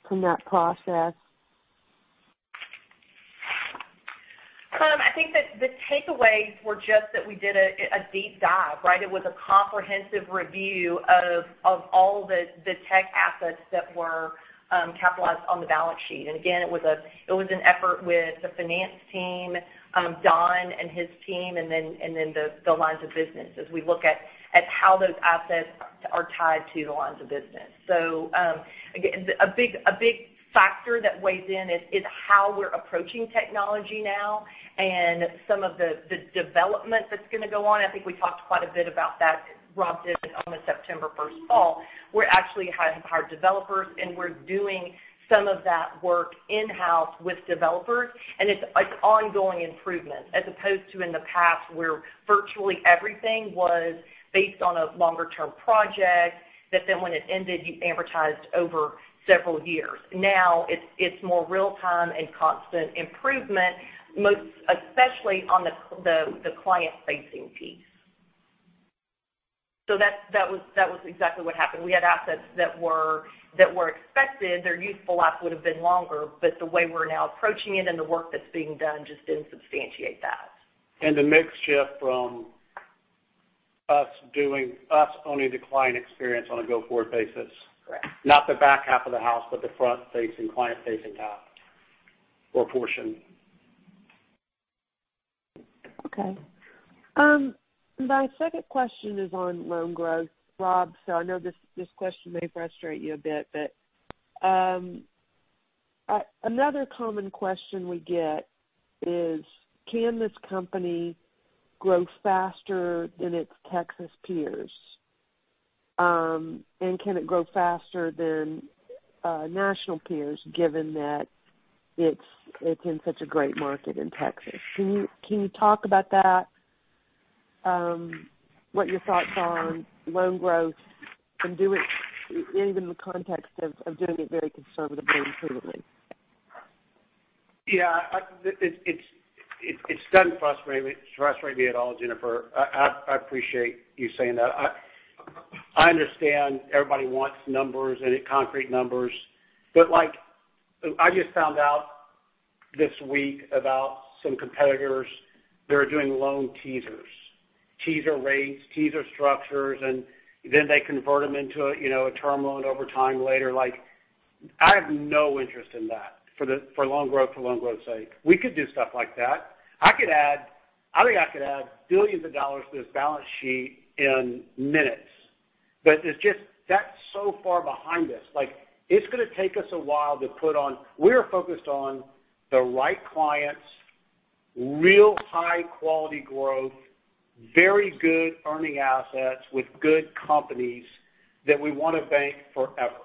from that process? I think that the takeaways were just that we did a deep dive. It was a comprehensive review of all the tech assets that were capitalized on the balance sheet. Again, it was an effort with the finance team, Don and his team, and the lines of business as we look at how those assets are tied to the lines of business. Again, a big factor that weighs in is how we're approaching technology now and some of the development that's going to go on. I think we talked quite a bit about that. Rob did on the September 1st call. We're actually hiring developers, and we're doing some of that work in-house with developers, and it's ongoing improvement, as opposed to in the past where virtually everything was based on a longer-term project, that then when it ended, you amortized over several years. Now it's more real-time and constant improvement, most especially on the client-facing piece. That was exactly what happened. We had assets that were expected, their useful life would have been longer, but the way we're now approaching it and the work that's being done just didn't substantiate that. The mix shift from us owning the client experience on a go-forward basis. Correct. Not the back half of the house, but the front-facing, client-facing half or portion. Okay. My second question is on loan growth. Rob, I know this question may frustrate you a bit. Another common question we get is, can this company grow faster than its Texas peers? Can it grow faster than national peers, given that it's in such a great market in Texas? Can you talk about that, what your thoughts are on loan growth and do it even in the context of doing it very conservatively and prudently? Yeah. It doesn't frustrate me at all, Jennifer. I appreciate you saying that. I understand everybody wants numbers and concrete numbers. I just found out this week about some competitors that are doing loan teasers, teaser rates, teaser structures, and then they convert them into a term loan over time later. I have no interest in that for loan growth sake. We could do stuff like that. I think I could add billions of dollars to this balance sheet in minutes, but that's so far behind us. It's going to take us a while. We are focused on the right clients, real high-quality growth, very good earning assets with good companies that we want to bank forever.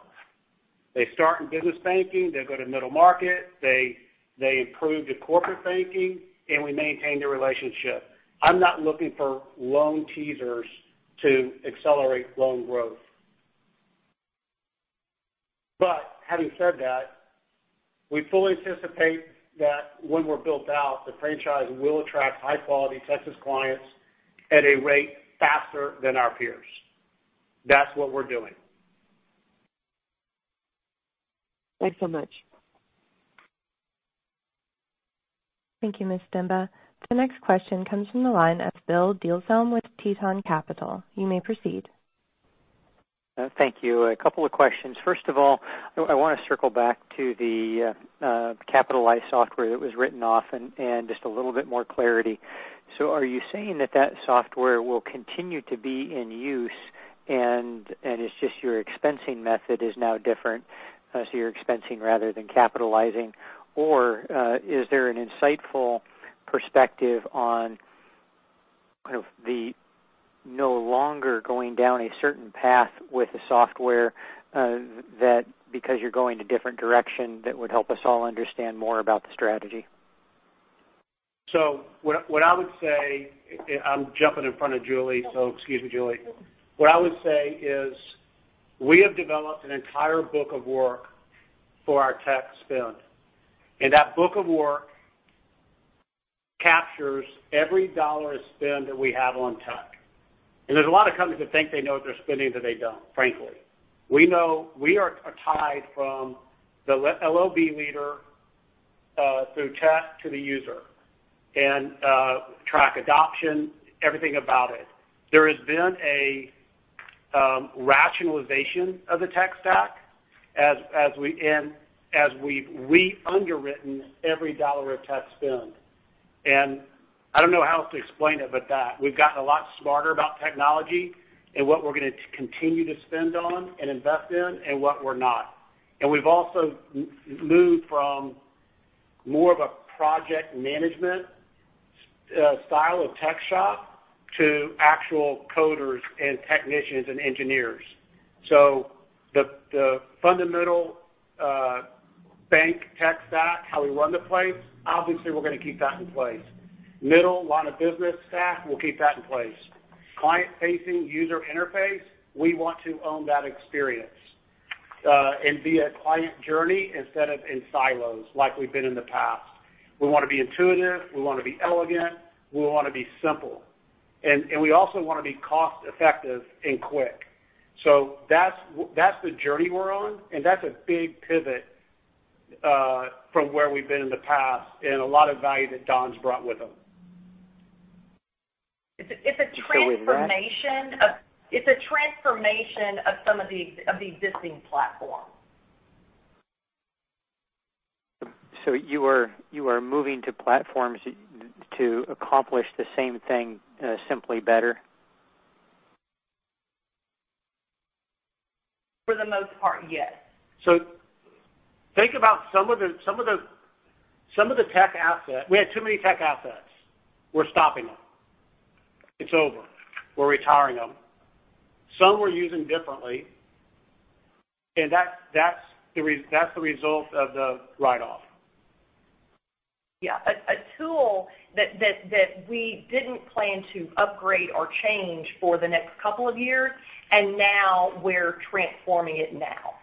They start in business banking, they go to middle market, they improve to corporate banking, and we maintain the relationship. I'm not looking for loan teasers to accelerate loan growth. Having said that, we fully anticipate that when we're built out, the franchise will attract high-quality Texas clients at a rate faster than our peers. That's what we're doing. Thanks so much. Thank you, Ms. Demba. The next question comes from the line of Bill DeZellem with Tieton Capital Management. You may proceed. Thank you. A couple of questions. First of all, I want to circle back to the capitalized software that was written off and just a little bit more clarity. Are you saying that that software will continue to be in use and it's just your expensing method is now different, so you're expensing rather than capitalizing? Is there an insightful perspective on kind of the no longer going down a certain path with the software, that because you're going a different direction, that would help us all understand more about the strategy? What I would say, I'm jumping in front of Julie, so excuse me, Julie. What I would say is we have developed an entire book of work for our tech spend, and that book of work captures every dollar spent that we have on tech. There's a lot of companies that think they know what they're spending that they don't, frankly. We know we are tied from the LOB leader, through tech to the user and track adoption, everything about it. There has been a rationalization of the tech stack as we've underwritten every dollar of tech spend. I don't know how else to explain it, but that. We've gotten a lot smarter about technology and what we're going to continue to spend on and invest in and what we're not. We've also moved from more of a project management style of tech shop to actual coders and technicians and engineers. The fundamental bank tech stack, how we run the place, obviously we're going to keep that in place. Middle line of business stack, we'll keep that in place. Client-facing user interface, we want to own that experience, and be a client journey instead of in silos like we've been in the past. We want to be intuitive. We want to be elegant. We want to be simple. We also want to be cost-effective and quick. That's the journey we're on, and that's a big pivot from where we've been in the past and a lot of value that Don's brought with him. It's a transformation of some of the existing platforms. You are moving to platforms to accomplish the same thing simply better? For the most part, yes. Think about some of the tech assets. We had too many tech assets. We're stopping them. It's over. We're retiring them. Some we're using differently, and that's the result of the write-off. Yeah. A tool that we didn't plan to upgrade or change for the next couple of years, and now we're transforming it now.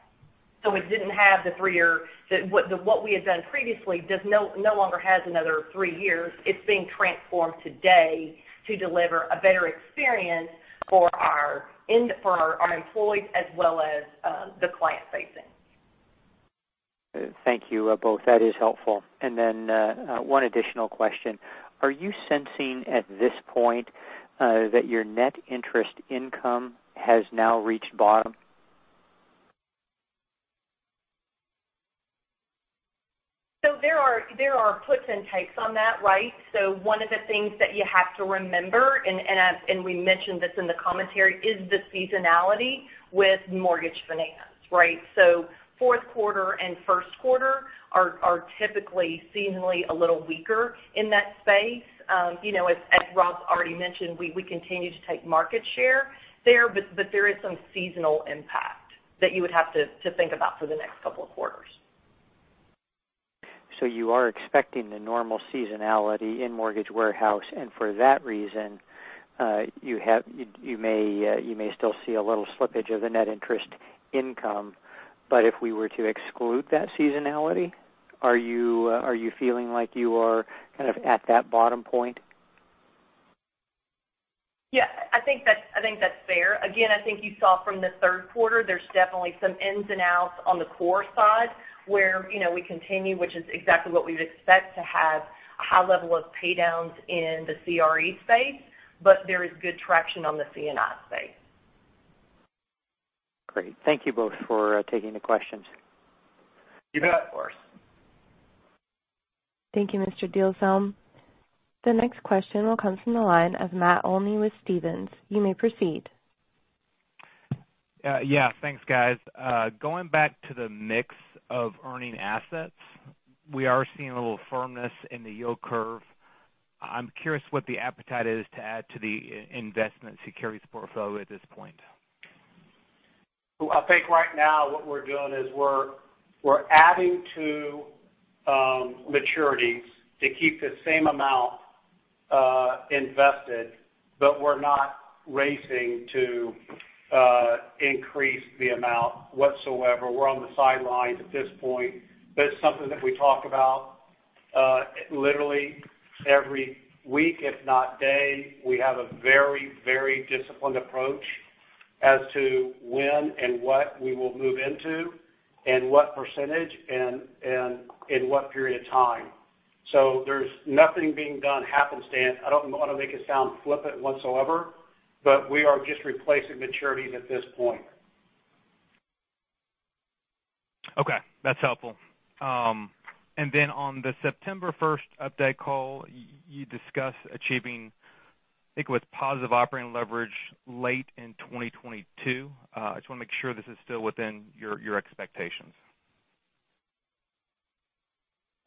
What we had done previously no longer has another three years. It's being transformed today to deliver a better experience for our employees as well as the client-facing. Thank you, both. That is helpful. One additional question. Are you sensing at this point that your net interest income has now reached bottom? There are puts and takes on that, right? One of the things that you have to remember, and we mentioned this in the commentary, is the seasonality with mortgage finance, right? Fourth quarter and first quarter are typically seasonally a little weaker in that space. As Rob's already mentioned, we continue to take market share there, but there is some seasonal impact that you would have to think about for the next couple of quarters. You are expecting the normal seasonality in mortgage warehouse, and for that reason, you may still see a little slippage of the net interest income. If we were to exclude that seasonality, are you feeling like you are kind of at that bottom point? I think that's fair. I think you saw from the third quarter, there's definitely some ins and outs on the core side where we continue, which is exactly what we'd expect to have a high level of pay downs in the CRE space. There is good traction on the C&I space. Great. Thank you both for taking the questions. You bet. Of course. Thank you, Mr. DeZellem. The next question will come from the line of Matt Olney with Stephens. You may proceed. Yeah, thanks guys. Going back to the mix of earning assets, we are seeing a little firmness in the yield curve. I'm curious what the appetite is to add to the investment securities portfolio at this point. I think right now what we're doing is we're adding to maturities to keep the same amount invested, but we're not racing to increase the amount whatsoever. We're on the sidelines at this point, but it's something that we talk about literally every week, if not day. We have a very disciplined approach as to when and what we will move into and what percentage and in what period of time. There's nothing being done happenstance. I don't want to make it sound flippant whatsoever, but we are just replacing maturities at this point. Okay, that's helpful. On the September 1st update call, you discuss achieving, I think it was positive operating leverage late in 2022. I just want to make sure this is still within your expectations.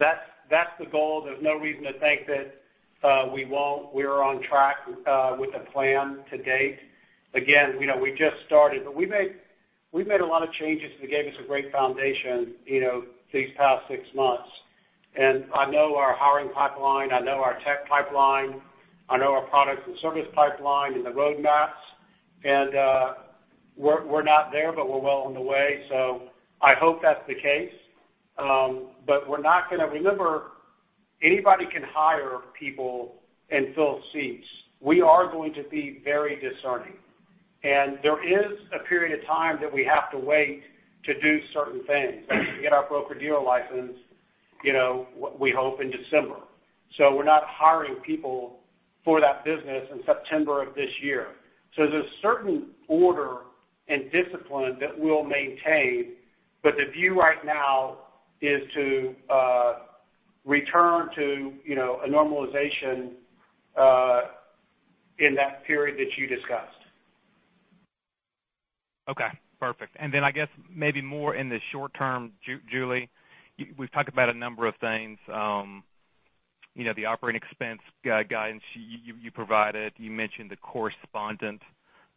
That's the goal. There's no reason to think that we won't. We're on track with the plan to date. Again, we just started, but we've made a lot of changes that gave us a great foundation these past six months. I know our hiring pipeline, I know our tech pipeline, I know our products and service pipeline and the roadmaps, and we're not there, but we're well on the way. I hope that's the case. Remember, anybody can hire people and fill seats. We are going to be very discerning. There is a period of time that we have to wait to do certain things, like to get our broker-dealer license, we hope in December. We're not hiring people for that business in September of this year. There's a certain order and discipline that we'll maintain, but the view right now is to return to a normalization in that period that you discussed. Okay, perfect. I guess maybe more in the short term, Julie, we've talked about a number of things. The operating expense guidance you provided, you mentioned the correspondent,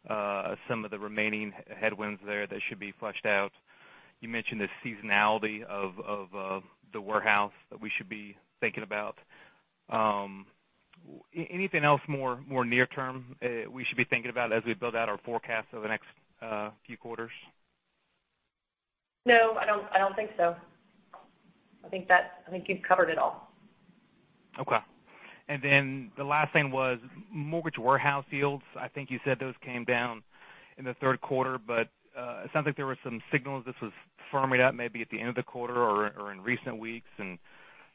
some of the remaining headwinds there that should be flushed out. You mentioned the seasonality of the warehouse that we should be thinking about. Anything else more near term we should be thinking about as we build out our forecast over the next few quarters? No, I don't think so. I think you've covered it all. Okay. The last thing was mortgage warehouse yields. I think you said those came down in the third quarter, but it sounds like there were some signals this was firming up maybe at the end of the quarter or in recent weeks.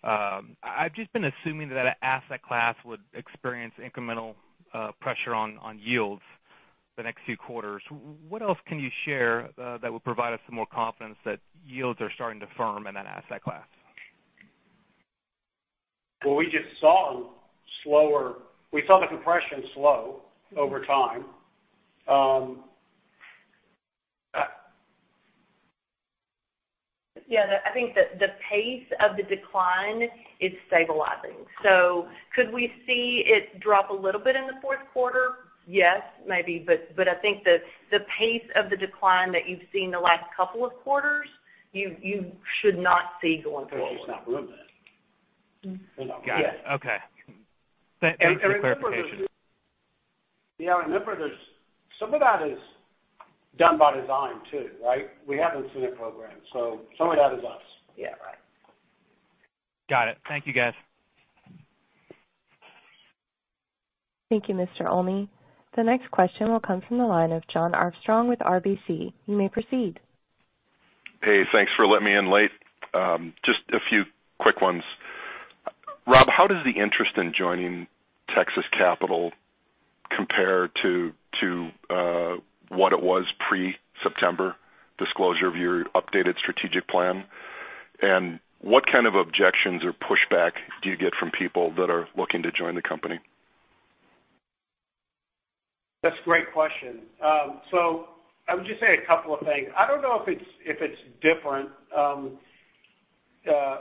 I've just been assuming that an asset class would experience incremental pressure on yields the next few quarters. What else can you share that would provide us some more confidence that yields are starting to firm in that asset class? Well, we saw the compression slow over time. Yeah, I think that the pace of the decline is stabilizing. Could we see it drop a little bit in the fourth quarter? Yes, maybe. I think that the pace of the decline that you've seen the last couple of quarters, you should not see going forward. Well, we should not want that. Got it. Okay. Thanks for the clarification. Yeah, remember some of that is done by design, too, right? We haven't seen a program, some of that is us. Yeah, right. Got it. Thank you, guys. Thank you, Mr. Olney. The next question will come from the line of Jon Arfstrom with RBC. You may proceed. Hey, thanks for letting me in late. Just a few quick ones. Rob, how does the interest in joining Texas Capital compare to what it was pre-September disclosure of your updated strategic plan? What kind of objections or pushback do you get from people that are looking to join the company? That's a great question. I would just say a couple of things. I don't know if it's different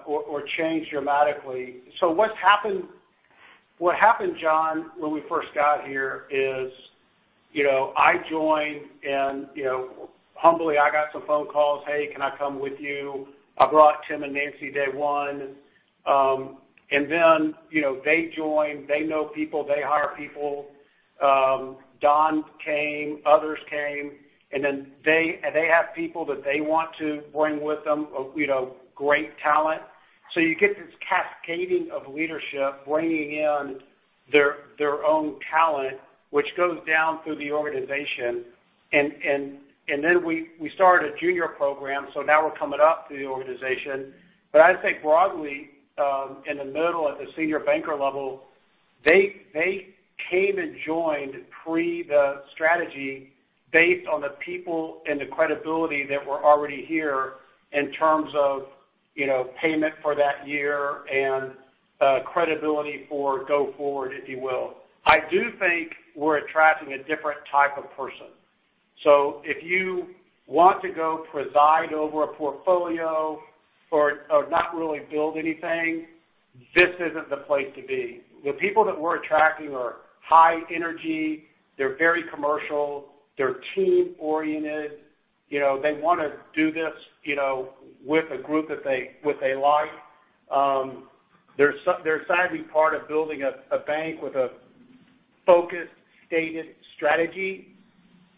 or changed dramatically. What happened, Jon, when we first got here is, I joined and humbly I got some phone calls. "Hey, can I come with you?" I brought Tim and Nancy day one. Then they joined. They know people. They hire people. Don came, others came. They have people that they want to bring with them, great talent. You get this cascading of leadership bringing in their own talent, which goes down through the organization. Then we started a junior program. Now we're coming up through the organization. I'd say broadly, in the middle at the senior banker level, they came and joined pre the strategy based on the people and the credibility that were already here in terms of payment for that year and credibility for go forward, if you will. I do think we're attracting a different type of person. If you want to go preside over a portfolio or not really build anything, this isn't the place to be. The people that we're attracting are high energy. They're very commercial. They're team oriented. They want to do this with a group that they like. They're excited to be part of building a bank with a focused, stated strategy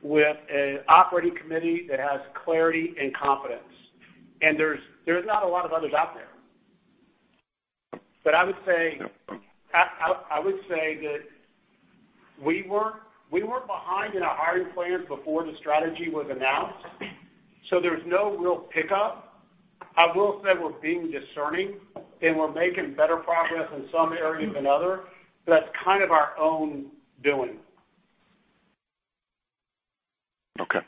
with an operating committee that has clarity and confidence. There's not a lot of others out there. I would say that we were behind in our hiring plans before the strategy was announced, so there's no real pickup. I will say we're being discerning and we're making better progress in some areas than others, but that's kind of our own doing. Okay.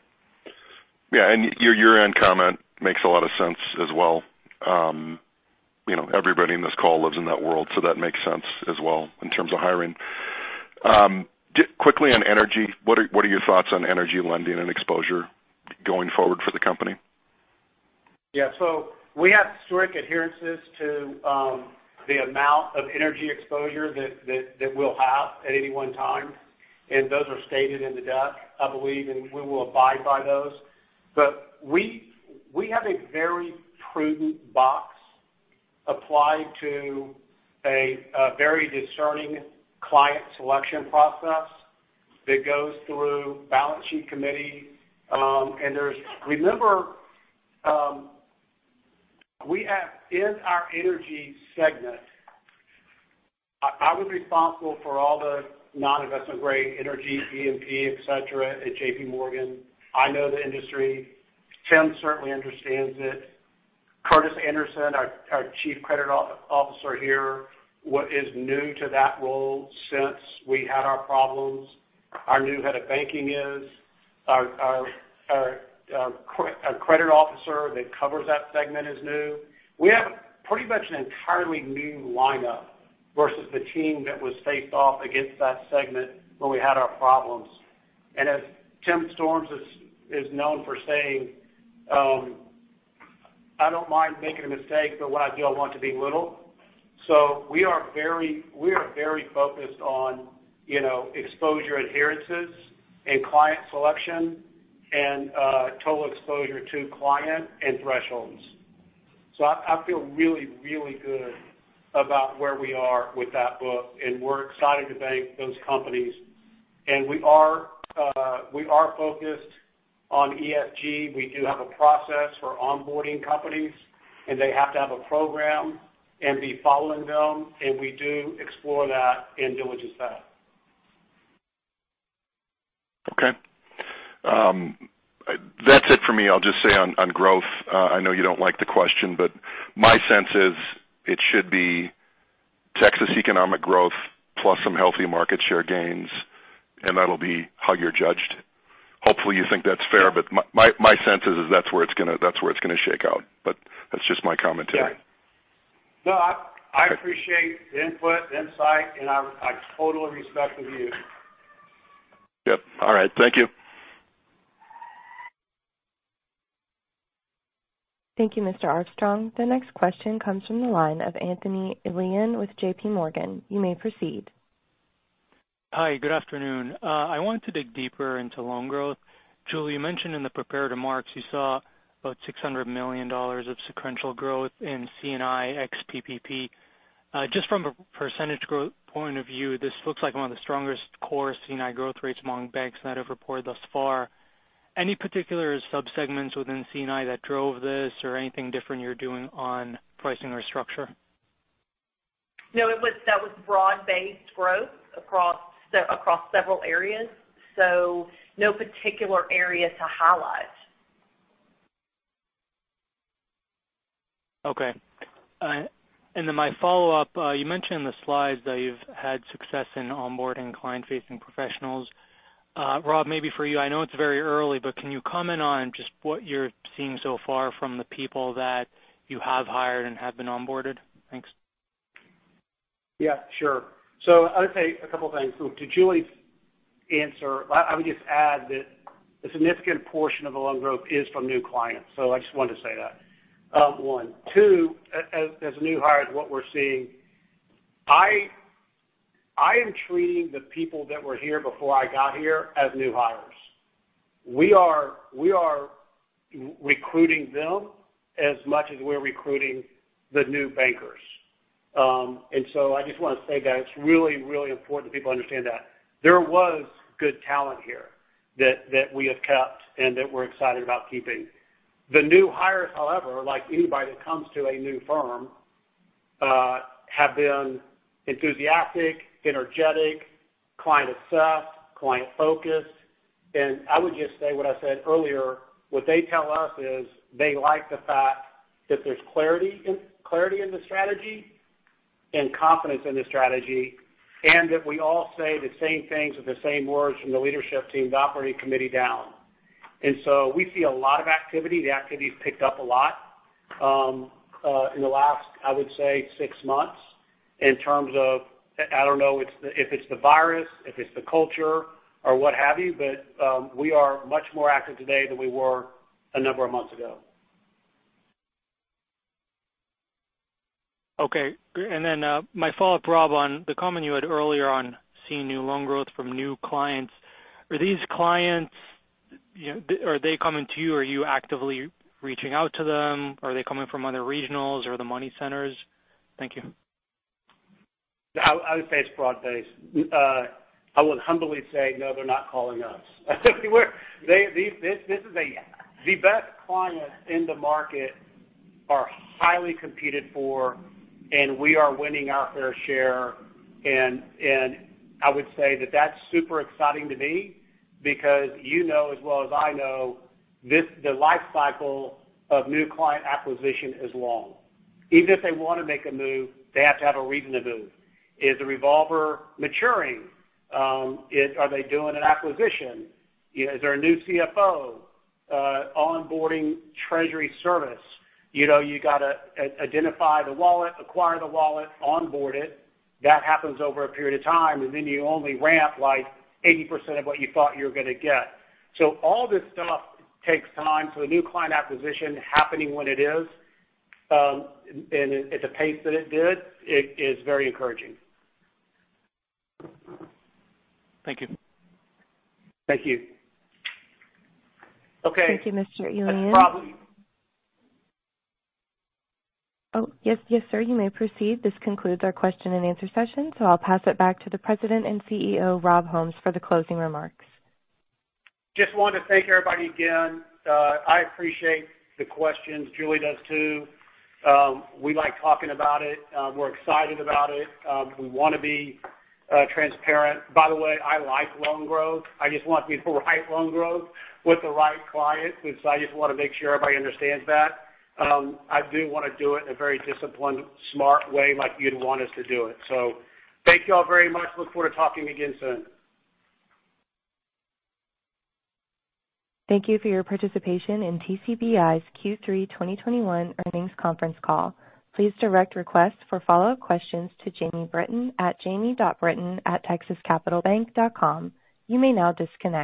Yeah, your year-end comment makes a lot of sense as well. Everybody in this call lives in that world, so that makes sense as well in terms of hiring. Quickly on energy, what are your thoughts on energy lending and exposure going forward for the company? We have strict adherences to the amount of energy exposure that we'll have at any one time, and those are stated in the deck, I believe, and we will abide by those. We have a very prudent box applied to a very discerning client selection process that goes through balance sheet committee. Remember, in our energy segment, I was responsible for all the non-investment grade energy, E&P, et cetera, at JPMorgan. I know the industry. Tim certainly understands it. Curtis Anderson, our Chief Credit Officer here, is new to that role since we had our problems. Our new head of banking is. Our credit officer that covers that segment is new. We have pretty much an entirely new lineup versus the team that was faced off against that segment when we had our problems. As Tim Storms is known for saying, "I don't mind making a mistake, but what I don't want it to be little." We are very focused on exposure adherences and client selection and total exposure to client and thresholds. I feel really, really good about where we are with that book, and we're excited to bank those companies. We are focused on ESG. We do have a process for onboarding companies, and they have to have a program and be following them, and we do explore that and diligence that. Okay. That's it for me. I'll just say on growth, I know you don't like the question, but my sense is it should be Texas economic growth plus some healthy market share gains, and that'll be how you're judged. Hopefully, you think that's fair, but my sense is that's where it's going to shake out. That's just my commentary. No, I appreciate the input, the insight, and I totally respect the view. Yep. All right. Thank you. Thank you, Mr. Armstrong. The next question comes from the line of Anthony Elian with JPMorgan. You may proceed. Hi, good afternoon. I wanted to dig deeper into loan growth. Julie, you mentioned in the prepared remarks you saw about $600 million of sequential growth in C&I ex-PPP. Just from a percentage growth point of view, this looks like one of the strongest core C&I growth rates among banks that have reported thus far. Any particular sub-segments within C&I that drove this or anything different you're doing on pricing or structure? No, that was broad-based growth across several areas. No particular area to highlight. Okay. My follow-up, you mentioned in the slides that you've had success in onboarding client-facing professionals. Rob, maybe for you, I know it's very early, but can you comment on just what you're seeing so far from the people that you have hired and have been onboarded? Thanks. Yeah, sure. I would say a couple of things. To Julie's answer, I would just add that a significant portion of the loan growth is from new clients. I just wanted to say that, one. Two, as new hires, what we're seeing, I am treating the people that were here before I got here as new hires. We are recruiting them as much as we're recruiting the new bankers. I just want to say that it's really important that people understand that. There was good talent here that we have kept and that we're excited about keeping. The new hires, however, like anybody that comes to a new firm, have been enthusiastic, energetic, client obsessed, client focused. I would just say what I said earlier, what they tell us is they like the fact that there's clarity in the strategy and confidence in the strategy, and that we all say the same things with the same words from the leadership team, the operating committee down. We see a lot of activity. The activity's picked up a lot in the last, I would say, six months in terms of, I don't know if it's the virus, if it's the culture or what have you, but we are much more active today than we were a number of months ago. Okay. My follow-up, Rob, on the comment you had earlier on seeing new loan growth from new clients. Are these clients coming to you? Are you actively reaching out to them? Are they coming from other regionals or the money centers? Thank you. I would say it's broad-based. I would humbly say, no, they're not calling us. The best clients in the market are highly competed for, and we are winning our fair share. I would say that's super exciting to me because you know as well as I know, the life cycle of new client acquisition is long. Even if they want to make a move, they have to have a reason to move. Is the revolver maturing? Are they doing an acquisition? Is there a new CFO? Onboarding treasury service. You've got to identify the wallet, acquire the wallet, onboard it. That happens over a period of time, and then you only ramp like 80% of what you thought you were going to get. All this stuff takes time. A new client acquisition happening when it is, and at the pace that it did, it is very encouraging. Thank you. Thank you. Okay. Thank you, Mr. Elian. That's. Oh, yes, sir. You may proceed. This concludes our question and answer session. I'll pass it back to the President and CEO, Rob Holmes, for the closing remarks. Just wanted to thank everybody again. I appreciate the questions. Julie does too. We like talking about it. We're excited about it. We want to be transparent. By the way, I like loan growth. I just want the right loan growth with the right clients, and so I just want to make sure everybody understands that. I do want to do it in a very disciplined, smart way, like you'd want us to do it. Thank you all very much. Look forward to talking again soon. Thank you for your participation in TCBI's Q3 2021 earnings conference call. Please direct requests for follow-up questions to Jamie Britton at jamie.britton@texascapitalbank.com. You may now disconnect.